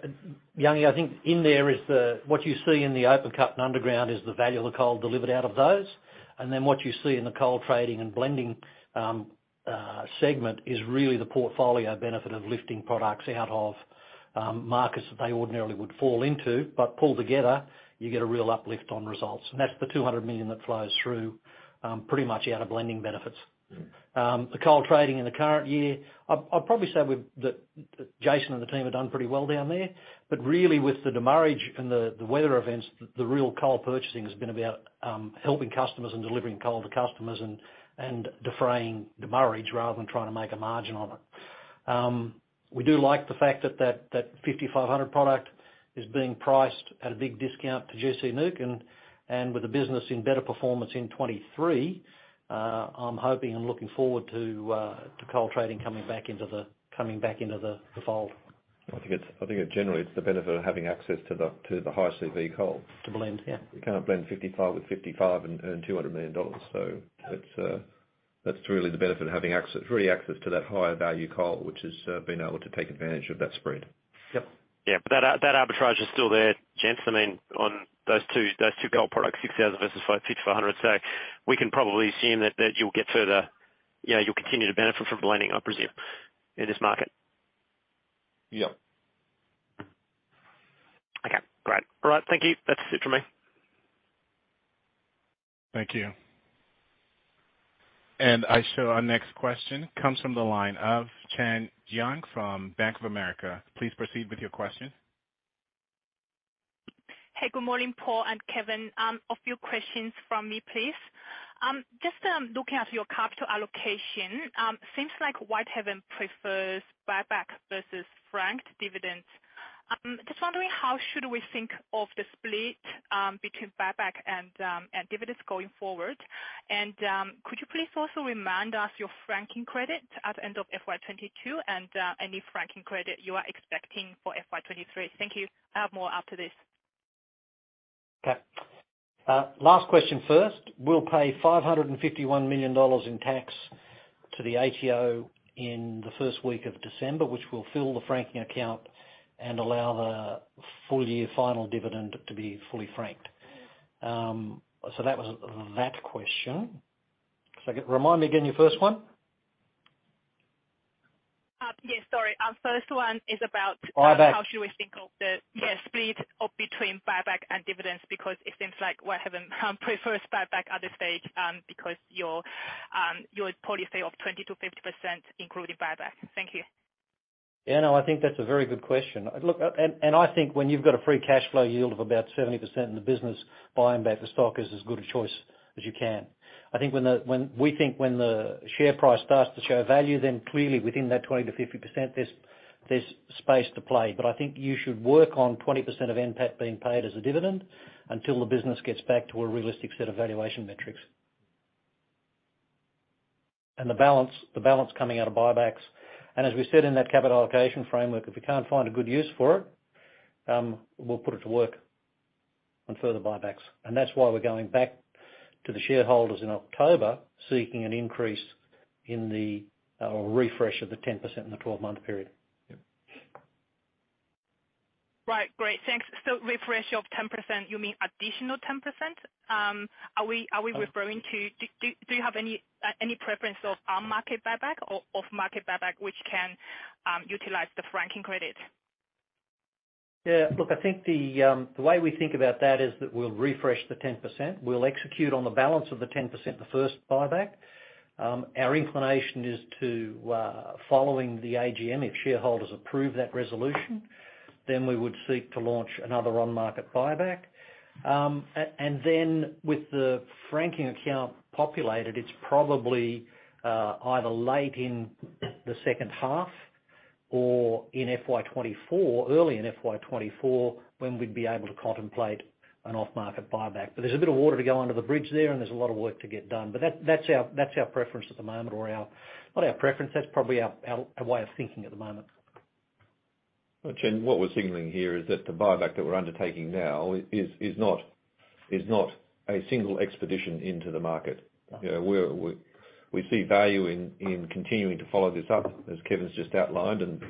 Young, I think in there is what you see in the open cut and underground is the value of the coal delivered out of those. And then what you see in the coal trading and blending segment is really the portfolio benefit of lifting products out of markets that they ordinarily would fall into. But pulled together, you get a real uplift on results. And that's the 200 million that flows through pretty much out of blending benefits. The coal trading in the current year, I'd probably say that Jason and the team have done pretty well down there. But really, with the demurrage and the weather events, the real coal purchasing has been about helping customers and delivering coal to customers and defraying demurrage rather than trying to make a margin on it. We do like the fact that 5,500 product is being priced at a big discount to gC NEWC, and with the business in better performance in 2023. I'm hoping and looking forward to coal trading coming back into the fold. I think it generates the benefit of having access to the high-CV coal. To blend, yeah. You cannot blend 5,500 with 5,500 and earn 200 million dollars. So, that's really the benefit of having access, really to that higher-value coal, which has been able to take advantage of that spread. Yeah, but that arbitrage is still there, gentlemen, on those two coal products, 6,000 versus 5,500. So, we can probably assume that you'll get further. You'll continue to benefit from blending, I presume, in this market. Yep. Okay, great. All right, thank you. That's it from me. Thank you, and I show our next question comes from the line of Chen Jiang from Bank of America. Please proceed with your question. Hey, good morning, Paul and Kevin. A few questions from me, please. Just looking at your capital allocation, it seems like Whitehaven prefers buyback versus franked dividends. Just wondering, how should we think of the split between buyback and dividends going forward? And could you please also remind us your franking credit at the end of FY 2022 and any franking credit you are expecting for FY 2023? Thank you. I have more after this. Okay, last question first. We'll pay 551 million dollars in tax to the ATO in the first week of December, which will fill the franking account and allow the full-year final dividend to be fully franked. So that was that question. So, remind me again your first one. Yes, sorry. First one is about how should we think of the-, Buyback. Yes. Split between buyback and dividends because it seems like Whitehaven prefers buyback at this stage because your policy of 20%-50% including buyback. Thank you. Yeah, no, I think that's a very good question. Look, and I think when you've got a free cash flow yield of about 70% in the business, buying back the stock is as good a choice as you can. I think when we think when the share price starts to show value, then clearly within that 20%-50%, there's space to play. But I think you should work on 20% of NPAT being paid as a dividend until the business gets back to a realistic set of valuation metrics. And the balance coming out of buybacks. And as we said in that capital allocation framework, if we can't find a good use for it, we'll put it to work on further buybacks. And that's why we're going back to the shareholders in October seeking an increase in the refresh of the 10% in the 12-month period. Right, great. Thanks. So, refresh of 10%, you mean additional 10%? Are we referring to, do you have any preference of on-market buyback or off-market buyback which can utilize the franking credit? Yeah, look, I think the way we think about that is that we'll refresh the 10%. We'll execute on the balance of the 10%, the first buyback. Our inclination is to, following the AGM, if shareholders approve that resolution, then we would seek to launch another on-market buyback. And then with the franking account populated, it's probably either late in the second half or in FY 2024, early in FY 2024, when we'd be able to contemplate an off-market buyback. But there's a bit of water to go under the bridge there, and there's a lot of work to get done. But that's our preference at the moment, or not our preference, that's probably our way of thinking at the moment. Chen, what we're signaling here is that the buyback that we're undertaking now is not a single expedition into the market. We see value in continuing to follow this up, as Kevin's just outlined, and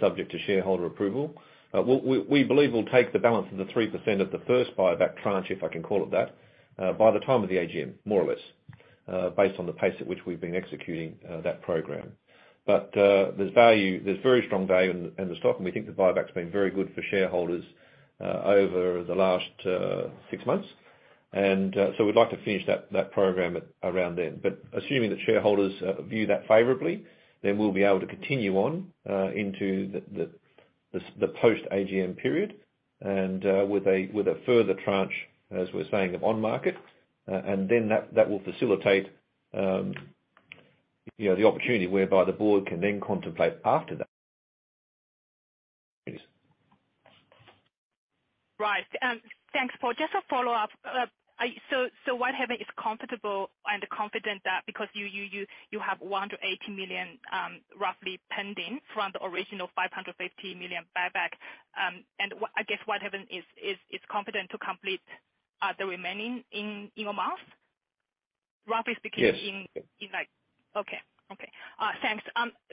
subject to shareholder approval. We believe we'll take the balance of the 3% of the first buyback tranche, if I can call it that, by the time of the AGM, more or less, based on the pace at which we've been executing that program. But there's very strong value in the stock, and we think the buyback's been very good for shareholders over the last six months. And so we'd like to finish that program around then. But assuming that shareholders view that favorably, then we'll be able to continue on into the post-AGM period and with a further tranche, as we're saying, of on-market. And then that will facilitate the opportunity, whereby the Board can then contemplate after that. Right, thanks, Paul. Just a follow-up. So, Whitehaven is comfortable and confident that, because you have 180 million roughly pending from the original 550 million buyback. And I guess, Whitehaven is confident to complete the remaining in a month, roughly speaking in. Yes. Okay, okay. Thanks.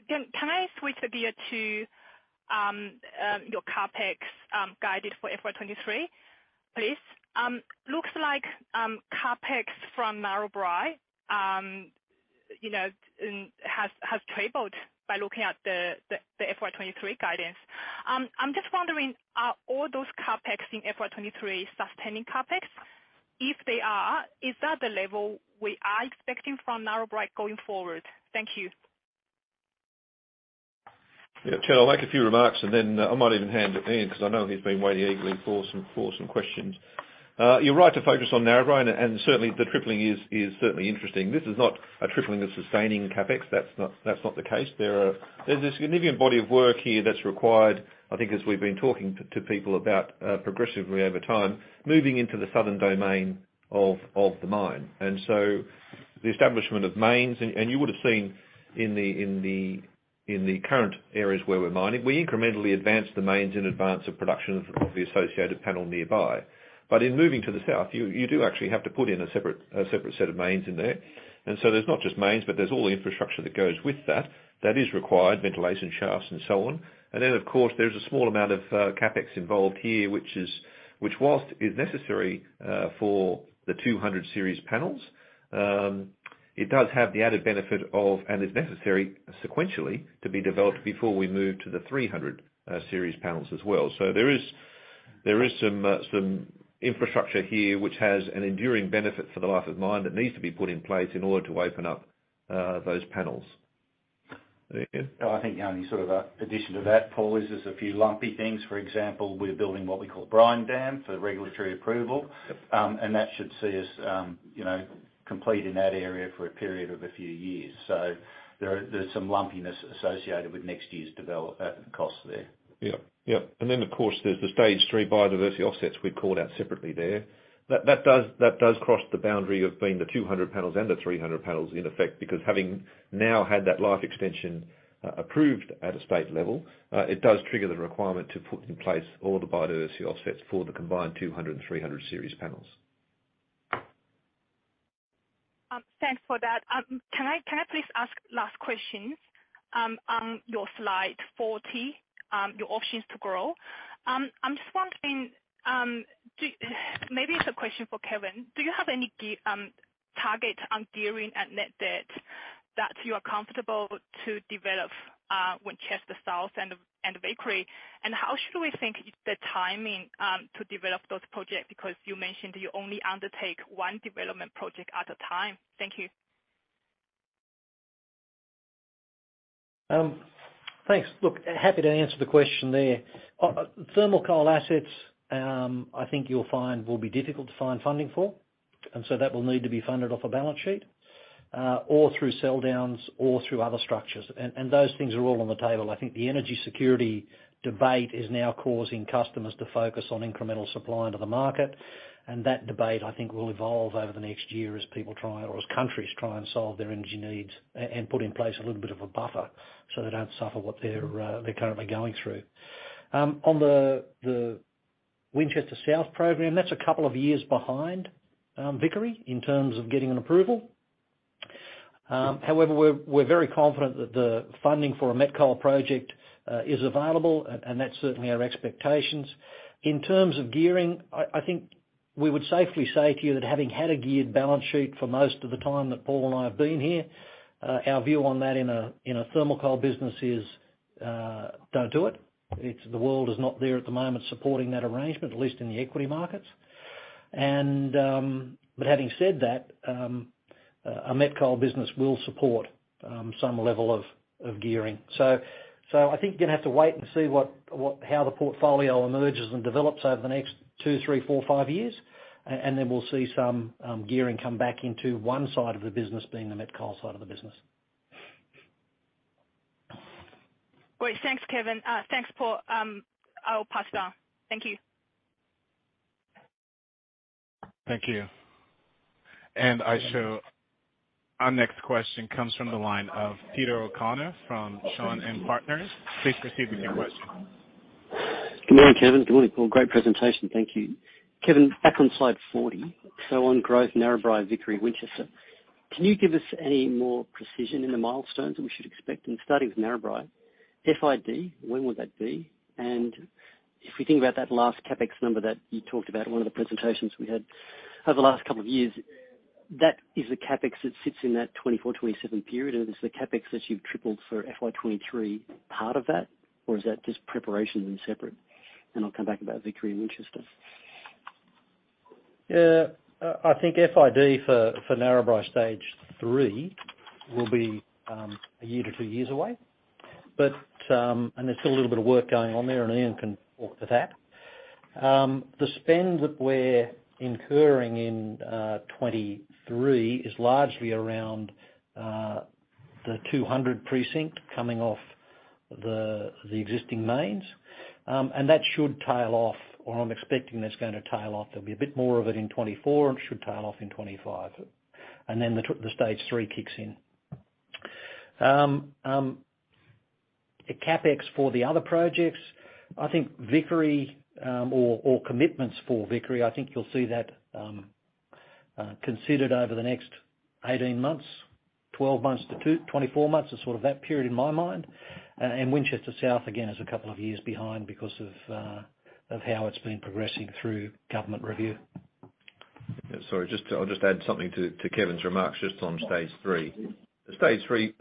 Can I switch the gear to your CapEx guidance for FY 2023, please? Looks like CapEx from Narrabri has tripled by looking at the FY 2023 guidance. I'm just wondering, are all those CapEx in FY 2023 sustaining CapEx? If they are, is that the level we are expecting from Narrabri going forward? Thank you. Yeah, Chen, I'll make a few remarks, and then I might even hand it to Ian because I know he's been waiting eagerly for some questions. You're right to focus on Narrabri, and certainly the tripling is certainly interesting. This is not a tripling of sustaining CapEx. That's not the case. There's a significant body of work here that's required, I think, as we've been talking to people about progressively over time, moving into the southern domain of the mine. And so the establishment of mains, and you would have seen in the current areas where we're mining, we incrementally advance the mains in advance of production of the associated panel nearby. But in moving to the south, you do actually have to put in a separate set of mains in there. There's not just mains, but there's all the infrastructure that goes with that that is required, ventilation shafts and so on. Then, of course, there's a small amount of CapEx involved here, which is, while it is necessary for the 200 series panels, it does have the added benefit of, and is necessary sequentially to be developed before we move to the 300 series panels as well. There is some infrastructure here which has an enduring benefit for the life of mine that needs to be put in place in order to open up those panels. Ian? I think, Jiang, a sort of addition to that, Paul, is there's a few lumpy things. For example, we're building what we call a brine dam for regulatory approval, and that should see us complete in that area for a period of a few years, so there's some lumpiness associated with next year's cost there. Yeah, yeah. And then, of course, there's the stage three biodiversity offsets we've called out separately there. That does cross the boundary of being the 200 panels and the 300 panels in effect, because having now had that life extension approved at a state level, it does trigger the requirement to put in place all the biodiversity offsets for the combined 200 and 300 series panels. Thanks for that. Can I please ask last questions on your slide 40, your options to grow? I'm just wondering, maybe it's a question for Kevin, do you have any target on gearing and net debt that you are comfortable to develop with Winchester South and the Vickery? And how should we think the timing to develop those projects? Because you mentioned you only undertake one development project at a time. Thank you. Thanks. Look, happy to answer the question there. Thermal coal assets, I think, you'll find will be difficult to find funding for. And so that will need to be funded off a balance sheet or through sell downs or through other structures. And those things are all on the table. I think the energy security debate is now causing customers to focus on incremental supply into the market. And that debate, I think, will evolve over the next year as people try or as countries try and solve their energy needs and put in place a little bit of a buffer so they don't suffer what they're currently going through. On the Winchester South program, that's a couple of years behind Vickery in terms of getting an approval. However, we're very confident that the funding for a met coal project is available, and that's certainly our expectations. In terms of gearing, I think we would safely say to you that having had a geared balance sheet for most of the time that Paul and I have been here, our view on that in a thermal coal business is don't do it. The world is not there at the moment supporting that arrangement, at least in the equity markets. But having said that, a met coal business will support some level of gearing. I think you're going to have to wait and see how the portfolio emerges and develops over the next two, three, four, five years, and then we'll see some gearing come back into one side of the business being the met coal side of the business. Great. Thanks, Kevin. Thanks, Paul. I'll pass it on. Thank you. Thank you. And I show our next question comes from the line of Peter O'Connor from Shaw and Partners. Please proceed with your question. Good morning, Kevin. Good morning, Paul. Great presentation. Thank you. Kevin, back on slide 40, so on growth, Narrabri, Vickery, Winchester. Can you give us any more precision in the milestones that we should expect in starting with Narrabri? FID, when will that be? And if we think about that last CapEx number that you talked about in one of the presentations we had over the last couple of years, that is the CapEx that sits in that 2024-2027 period. And it's the CapEx that you've tripled for FY 2023 part of that, or is that just preparation and separate? And I'll come back about Vickery and Winchester. I think FID for Narrabri stage three will be a year to two years away. And there's still a little bit of work going on there, and Ian can talk to that. The spend that we're incurring in 2023 is largely around the 200 precinct coming off the existing mains. And that should tail off, or I'm expecting that's going to tail off. There'll be a bit more of it in 2024, and it should tail off in 2025. And then the stage three kicks in. CapEx for the other projects, I think Vickery or commitments for Vickery, I think you'll see that considered over the next 18 months, 12 months to 24 months, sort of that period in my mind. And Winchester South, again, is a couple of years behind because of how it's been progressing through government review. Sorry, I'll just add something to Kevin's remarks just on stage three. Stage three,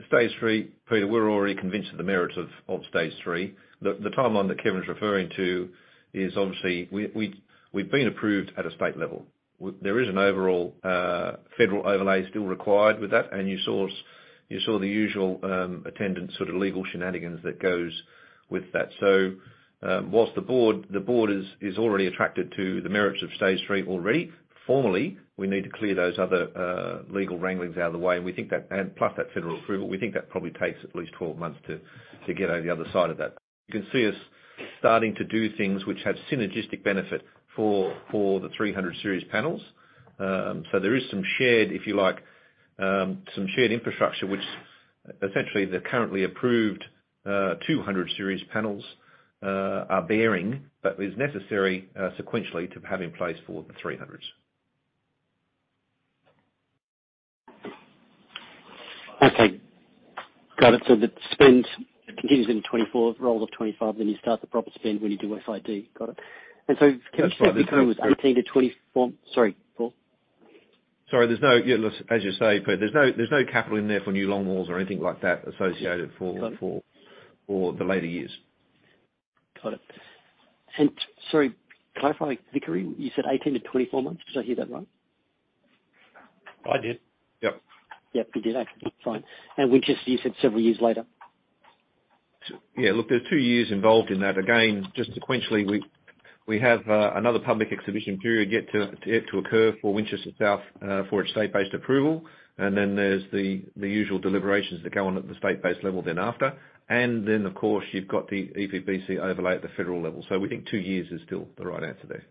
Peter, we're already convinced of the merits of stage three. The timeline that Kevin's referring to is obviously we've been approved at a state level. There is an overall federal overlay still required with that, and you saw the usual attendant sort of legal shenanigans that goes with that. So, while the Board is already attracted to the merits of stage three already, formally, we need to clear those other legal wranglings out of the way. We think that, and plus that federal approval, we think that probably takes at least 12 months to get over the other side of that. You can see us starting to do things which have synergistic benefit for the 300 series panels. So there is some shared, if you like, some shared infrastructure which essentially the currently approved 200 series panels are bearing, but is necessary sequentially to have in place for the 300s. Okay. Got it. So the spend continues in 2024, roll of 2025, then you start the proper spend when you do FID. Got it. And so. (crosstalk) Sorry, Paul? Sorry, as you say, Peter, there's no capital in there for new longwalls or anything like that associated for the later years. Got it. And sorry, clarifying, Vickery, you said 18-24 months? Did I hear that right? I did. Yep. Yep, you did. That's fine. And Winchester, you said several years later? Yeah, look, there's two years involved in that. Again, just sequentially, we have another public exhibition period yet to occur for Winchester South for its state-based approval. And then there's the usual deliberations that go on at the state-based level thereafter. And then, of course, you've got the EPBC overlay at the federal level. So we think two years is still the right answer there.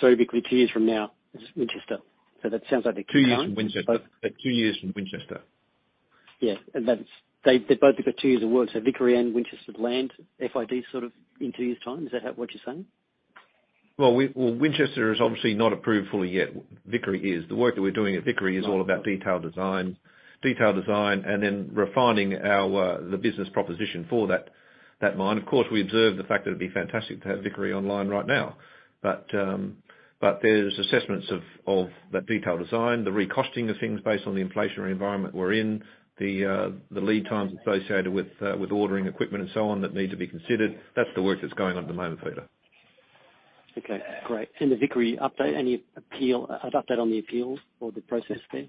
So, typically, two years from now is Winchester. So that sounds like the two. (crosstalk) Two years, Winchester. Two years in Winchester. Yeah. They both have got two years of work. So Vickery and Winchester land FID sort of in two years time. Is that what you're saying? Winchester is obviously not approved fully yet. Vickery is. The work that we're doing at Vickery is all about detailed design, detailed design, and then refining the business proposition for that mine. Of course, we observe the fact that it'd be fantastic to have Vickery online right now. But there's assessments of that detailed design, the recosting of things based on the inflationary environment we're in, the lead times associated with ordering equipment and so on that need to be considered. That's the work that's going on at the moment, Peter. Okay. Great. And the Vickery update, any update on the appeals or the process there?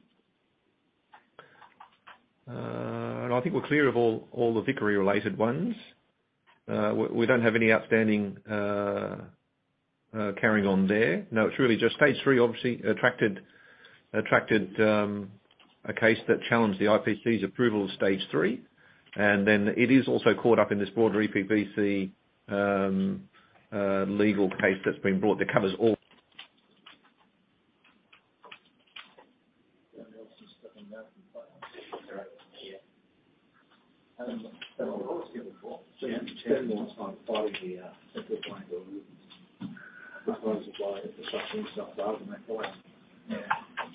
I think we're clear of all the Vickery-related ones. We don't have any outstanding carrying on there. No, it's really just stage three, obviously, attracted a case that challenged the IPC's approval of stage three, and then it is also caught up in this broader EPBC legal case that's been brought that covers all.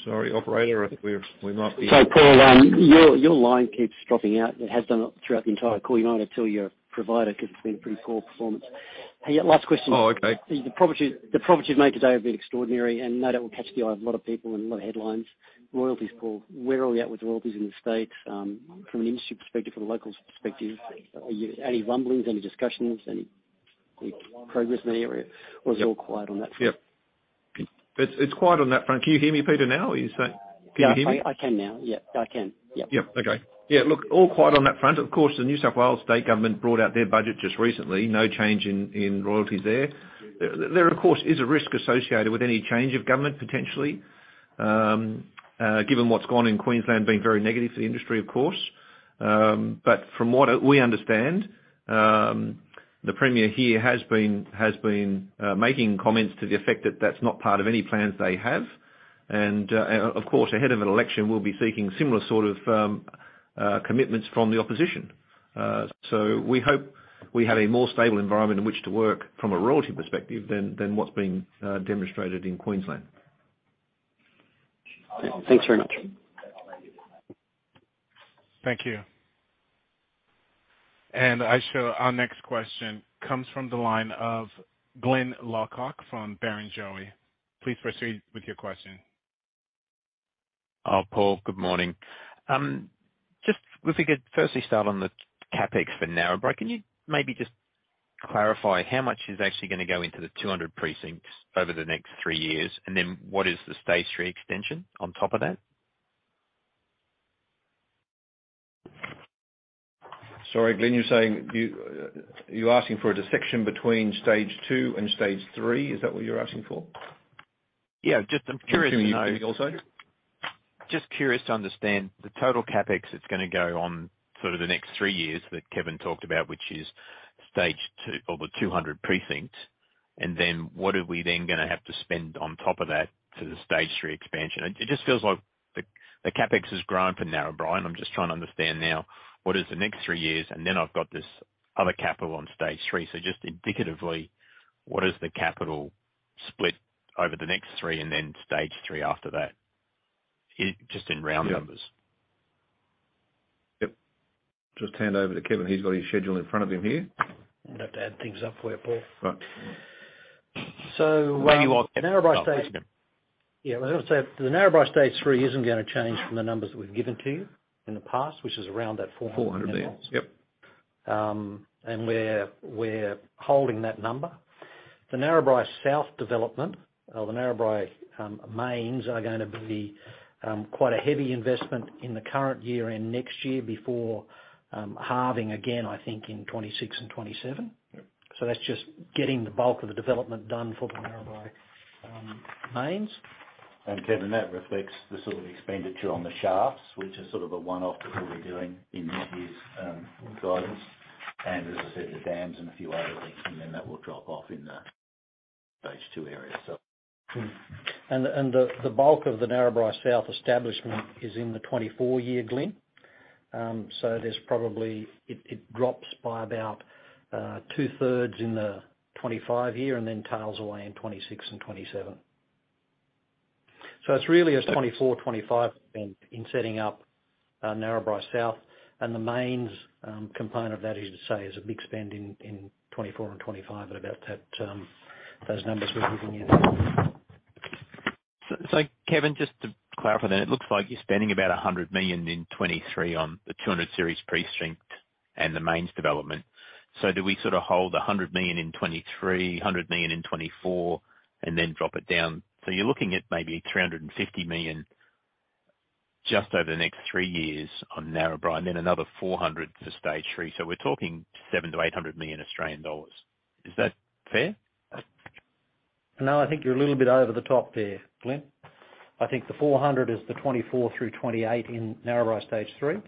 Sorry, operator, I think we might be. Sorry, Paul, your line keeps dropping out. It has done throughout the entire call. You're not until your provider, because it's been pretty poor performance. Last question. Oh, okay. The profits of May today have been extraordinary, and I know that will catch the eye of a lot of people and a lot of headlines. Royalties, Paul, where are we at with royalties in the state from an industry perspective, from a local perspective? Any rumblings, any discussions, any progress in that area, or is it all quiet on that front? Yep. It's quiet on that front. Can you hear me better, now? Can you hear me? I can now. Yeah, I can. Yep. Yep. Okay. Yeah, look, all quiet on that front. Of course, the New South Wales State Government brought out their budget just recently. No change in royalties there. There, of course, is a risk associated with any change of government potentially, given what's gone in Queensland being very negative for the industry, of course. But from what we understand, the Premier here has been making comments to the effect that that's not part of any plans they have. And, of course, ahead of an election, we'll be seeking similar sort of commitments from the opposition. So we hope we have a more stable environment in which to work from a royalty perspective than what's being demonstrated in Queensland. Thanks very much. Thank you. And I show our next question comes from the line of Glyn Lawcock from Barrenjoey. Please proceed with your question. Paul, good morning. Just if we could firstly start on the CapEx for Narrabri, can you maybe just clarify how much is actually going to go into the 200 precincts over the next three years, and then what is the stage three extension on top of that? Sorry, Glyn, you're asking for a dissection between stage two and stage three. Is that what you're asking for? Yeah, just I'm curious to know. (crosstalk) Just curious to understand the total CapEx that's going to go on sort of the next three years that Kevin talked about, which is stage two or the 200 precincts. And then what are we then going to have to spend on top of that for the stage three expansion? It just feels like the CapEx has grown for Narrabri. I'm just trying to understand now what is the next three years, and then I've got this other capital on stage three. So just indicatively, what is the capital split over the next three and then stage three after that, just in round numbers? Yep. Just hand over to Kevin. He's got his schedule in front of him here. I'm going to have to add things up for you, Paul. Right. (crosstalk) So Narrabri stage three. Yeah, I was going to say th e Narrabri stage three isn't going to change from the numbers that we've given to you in the past, which is around that 400 million. 400 million. Yep. And we're holding that number. The Narrabri South development, or the Narrabri mine, is going to be quite a heavy investment in the current year and next year before halving again, I think, in 2026 and 2027. So that's just getting the bulk of the development done for the Narrabri mine. And Kevin, that reflects the sort of expenditure on the shafts, which is sort of a one-off that we'll be doing in this year's guidance. And as I said, the dams and a few other things, and then that will drop off in the stage two area, so. And the bulk of the Narrabri South establishment is in the 2024 year, Glyn. So it drops by about 2/3 in the 2025 year and then tails away in 2026 and 2027. So it's really a 2024, 2025 spend in setting up Narrabri South. And the main component of that, as you say, is a big spend in 2024 and 2025 at about those numbers we're looking at. Kevin, just to clarify then, it looks like you're spending about 100 million in 2023 on the 200 series precinct and the mains development. Do we sort of hold 100 million in 2023, 100 million in 2024, and then drop it down? So you're looking at maybe 350 million just over the next three years on Narrabri, and then another 400 million for stage three. So we're talking 700 million-800 million Australian dollars. Is that fair? No, I think you're a little bit over the top there, Glyn. I think the 400 million is the 2024-2028 in Narrabri stage three.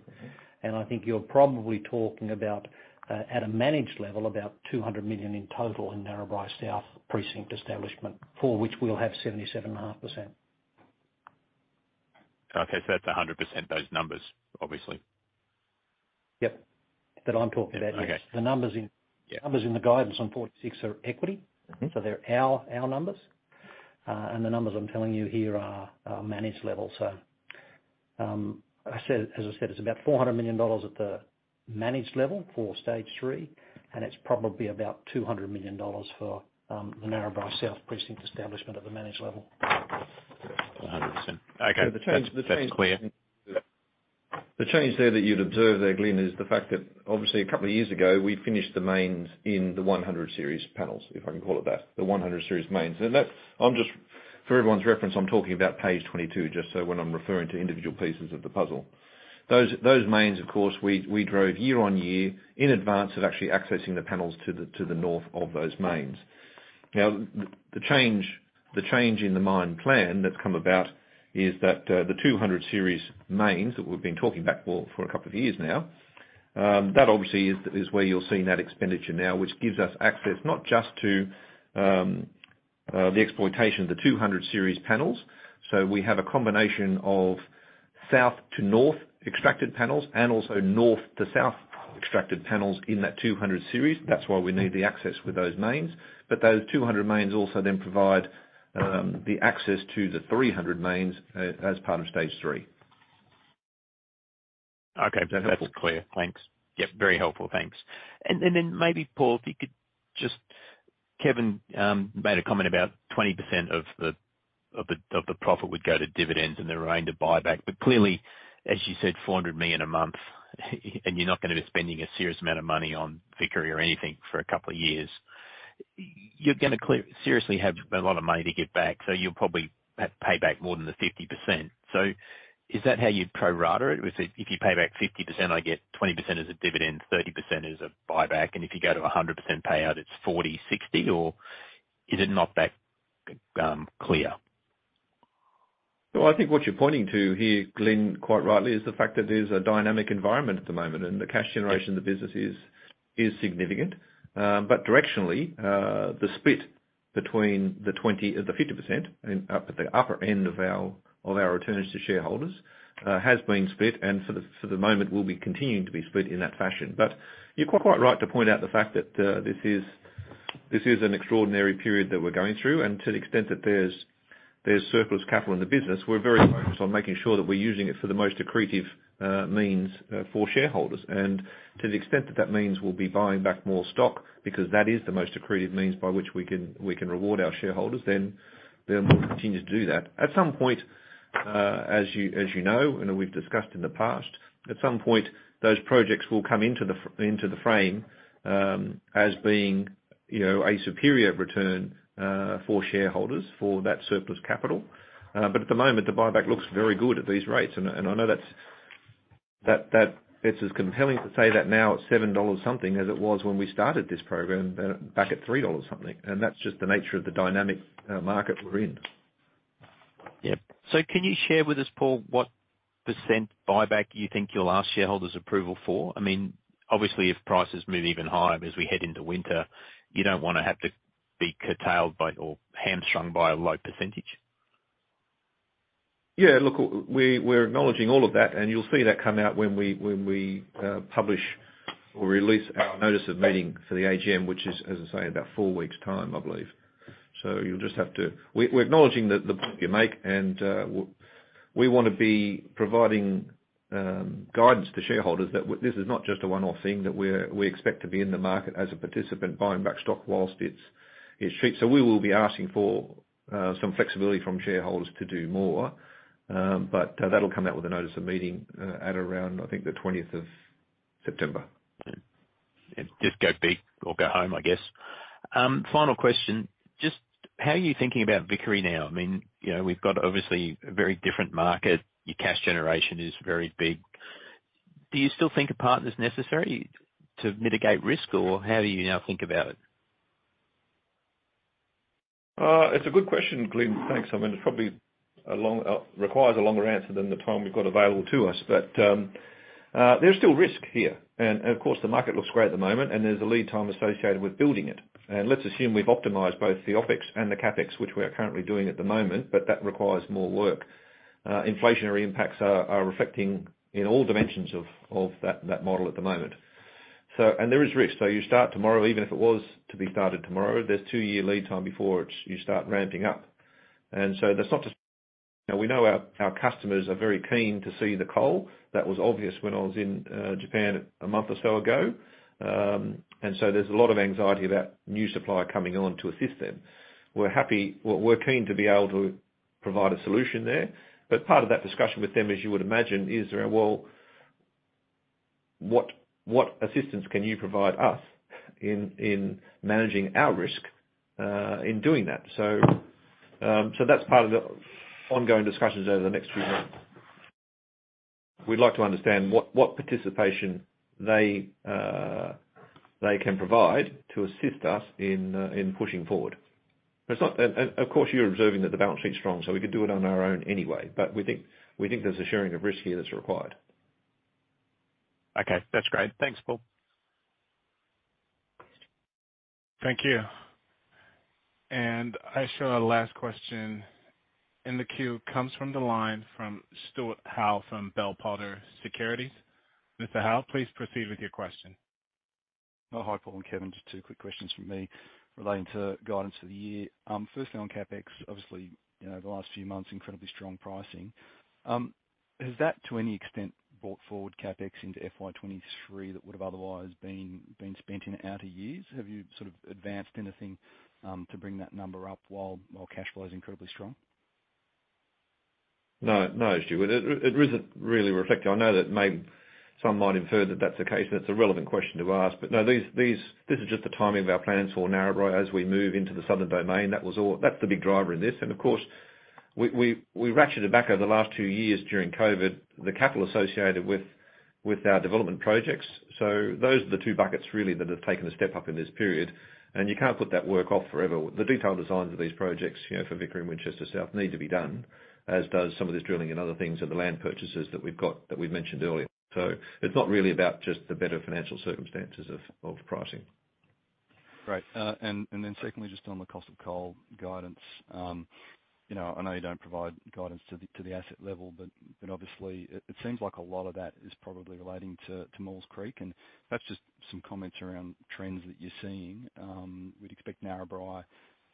And I think you're probably talking about, at a managed level, about 200 million in total in Narrabri South precinct establishment, for which we'll have 77.5%. Okay. So that's 100% those numbers, obviously. Yep. That I'm talking about. The numbers in the guidance on 46 are equity. So they're our numbers. And the numbers I'm telling you here are managed level. So as I said, it's about 400 million dollars at the managed level for stage three, and it's probably about 200 million dollars for the Narrabri South precinct establishment at the managed level. 100%. Okay. The change there that you'd observed there, Glyn, is the fact that, obviously, a couple of years ago, we finished the mains in the 100 series panels, if I can call it that, the 100 series mains, and for everyone's reference, I'm talking about page 22, just so when I'm referring to individual pieces of the puzzle. Those mains, of course, we drove year-on-year in advance of actually accessing the panels to the north of those mains. Now, the change in the main plan that's come about is that the 200 series mains that we've been talking about for a couple of years now, that obviously is where you're seeing that expenditure now, which gives us access not just to the exploitation of the 200 series panels. So we have a combination of south to north extracted panels and also north to south extracted panels in that 200 series. That's why we need the access with those mains. But those 200 mains also then provide the access to the 300 mains as part of stage three. Okay. That's clear. Thanks. Yep. Very helpful. Thanks. And then maybe, Paul, if you could just Kevin made a comment about 20% of the profit would go to dividends and the remainder buyback. But clearly, as you said, 400 million a month, and you're not going to be spending a serious amount of money on Vickery or anything for a couple of years, you're going to seriously have a lot of money to get back. So you'll probably pay back more than the 50%. So is that how you'd pro-rata it? If you pay back 50%, I get 20% as a dividend, 30% as a buyback. And if you go to 100% payout, it's 40%, 60%, or is it not that clear? I think what you're pointing to here, Glyn, quite rightly, is the fact that there's a dynamic environment at the moment, and the cash generation of the business is significant. Directionally, the split between the 50% at the upper end of our returns to shareholders has been split. For the moment, we'll be continuing to be split in that fashion. You're quite right to point out the fact that this is an extraordinary period that we're going through. To the extent that there's surplus capital in the business, we're very focused on making sure that we're using it for the most accretive means for shareholders. To the extent that that means we'll be buying back more stock because that is the most accretive means by which we can reward our shareholders, then we'll continue to do that. At some point, as you know, and we've discussed in the past, at some point, those projects will come into the frame as being a superior return for shareholders for that surplus capital. But at the moment, the buyback looks very good at these rates. And I know that's as compelling to say that now at 7 dollars something as it was when we started this program back at 3 dollars something. And that's just the nature of the dynamic market we're in. Yep. So, can you share with us, Paul, what percent buyback you think you'll ask shareholders' approval for? I mean, obviously, if prices move even higher as we head into winter, you don't want to have to be curtailed or hamstrung by a low percentage. Yeah. Look, we're acknowledging all of that. And you'll see that come out when we publish or release our notice of meeting for the AGM, which is, as I say, about four weeks time, I believe. So we're acknowledging the point you make. And we want to be providing guidance to shareholders that this is not just a one-off thing, that we expect to be in the market as a participant buying back stock whilst it's cheap. So we will be asking for some flexibility from shareholders to do more. But that'll come out with a notice of meeting at around, I think, the 25th of September. Yeah. Just go big or go home, I guess. Final question. Just how are you thinking about Vickery now? I mean, we've got obviously a very different market. Your cash generation is very big. Do you still think a partner's necessary to mitigate risk, or how do you now think about it? It's a good question, Glyn. Thanks. I mean, it probably requires a longer answer than the time we've got available to us. But there's still risk here. And of course, the market looks great at the moment, and there's a lead time associated with building it. And let's assume we've optimized both the OpEx and the CapEx, which we are currently doing at the moment, but that requires more work. Inflationary impacts are reflecting in all dimensions of that model at the moment. And there is risk. So you start tomorrow, even if it was to be started tomorrow, there's two-year lead time before you start ramping up. And so that's not just we know our customers are very keen to see the coal. That was obvious when I was in Japan a month or so ago. And so there's a lot of anxiety about new supply coming on to assist them. We're keen to be able to provide a solution there. But part of that discussion with them, as you would imagine, is, well, what assistance can you provide us in managing our risk in doing that? So that's part of the ongoing discussions over the next few months. We'd like to understand what participation they can provide to assist us in pushing forward. And of course, you're observing that the balance sheet's strong, so we could do it on our own anyway. But we think there's a sharing of risk here that's required. Okay. That's great. Thanks, Paul. Thank you. And our last question in the queue comes from the line of Stuart Howe from Bell Potter Securities. Mr. Howe, please proceed with your question. Not a high point, Kevin. Just two quick questions from me relating to guidance for the year. Firstly, on CapEx, obviously, the last few months, incredibly strong pricing. Has that to any extent brought forward CapEx into FY 2023 that would have otherwise been spent in outer years? Have you sort of advanced anything to bring that number up while cash flow is incredibly strong? No. No, Stuart. It isn't really reflected. I know that some might have heard that that's the case, and it's a relevant question to ask. But no, this is just the timing of our plans for Narrabri as we move into the southern domain. That's the big driver in this. And of course, we ratcheted back over the last two years during COVID, the capital associated with our development projects. So those are the two buckets really that have taken a step up in this period. And you can't put that work off forever. The detailed designs of these projects for Vickery and Winchester South need to be done, as does some of this drilling and other things of the land purchases that we've mentioned earlier. So it's not really about just the better financial circumstances of pricing. Great. And then secondly, just on the cost of coal guidance, I know you don't provide guidance to the asset level, but obviously, it seems like a lot of that is probably relating to Maules Creek. And that's just some comments around trends that you're seeing. We'd expect Narrabri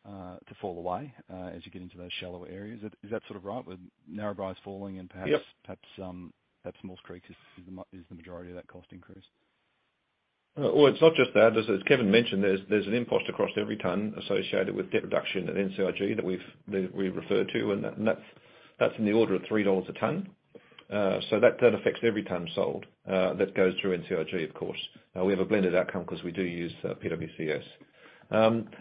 to fall away as you get into those shallower areas. Is that sort of right? Narrabri is falling, and perhaps Maules Creek is the majority of that cost increase. It's not just that. As Kevin mentioned, there's an impost across every ton associated with debt reduction at NCIG that we refer to. And that's in the order of 3 dollars a ton. So that affects every ton sold that goes through NCIG, of course. We have a blended outcome because we do use PWCS.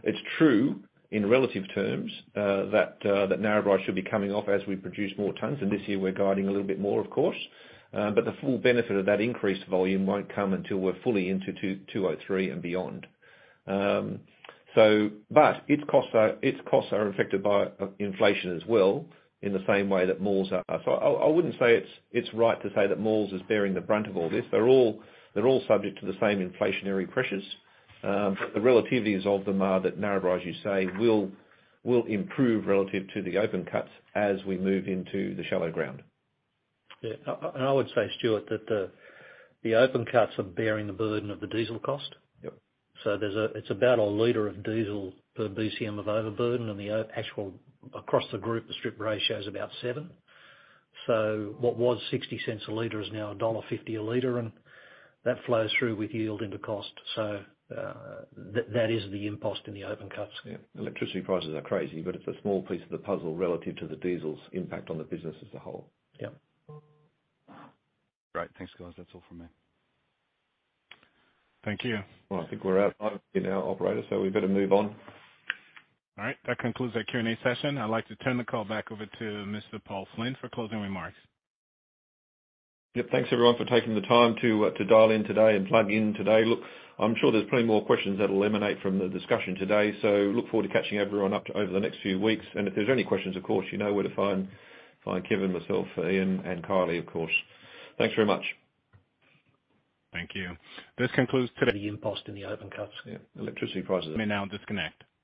It's true in relative terms that Narrabri should be coming off as we produce more tons. And this year, we're guiding a little bit more, of course. But the full benefit of that increased volume won't come until we're fully into 2023 and beyond. But its costs are affected by inflation as well in the same way that Maules are. So I wouldn't say it's right to say that Maules is bearing the brunt of all this. They're all subject to the same inflationary pressures. The relativities of them are that Narrabri, as you say, will improve relative to the open cuts as we move into the shallow ground. Yeah, and I would say, Stuart, that the open cuts are bearing the burden of the diesel cost, so it's about a liter of diesel per BCM of overburden. And across the group, the strip ratio is about seven. So what was 0.60 a liter is now AUD 1.50 a liter. And that flows through with yield into cost. So that is the impost in the open cuts. Yeah. Electricity prices are crazy, but it's a small piece of the puzzle relative to the diesel's impact on the business as a whole. Yep. Great. Thanks, guys. That's all from me. Thank you. I think we're out of time here, now, operator. We better move on. All right. That concludes our Q&A session. I'd like to turn the call back over to Mr. Paul Flynn for closing remarks. Yep. Thanks, everyone, for taking the time to dial in today and plug in today. Look, I'm sure there's plenty more questions that will emanate from the discussion today. So look forward to catching everyone up over the next few weeks. And if there's any questions, of course, you know where to find Kevin, myself, Ian, and Kylie, of course. Thanks very much. Thank you. This concludes. The impost in the open cuts. Yeah. Electricity prices. I'm going to now disconnect.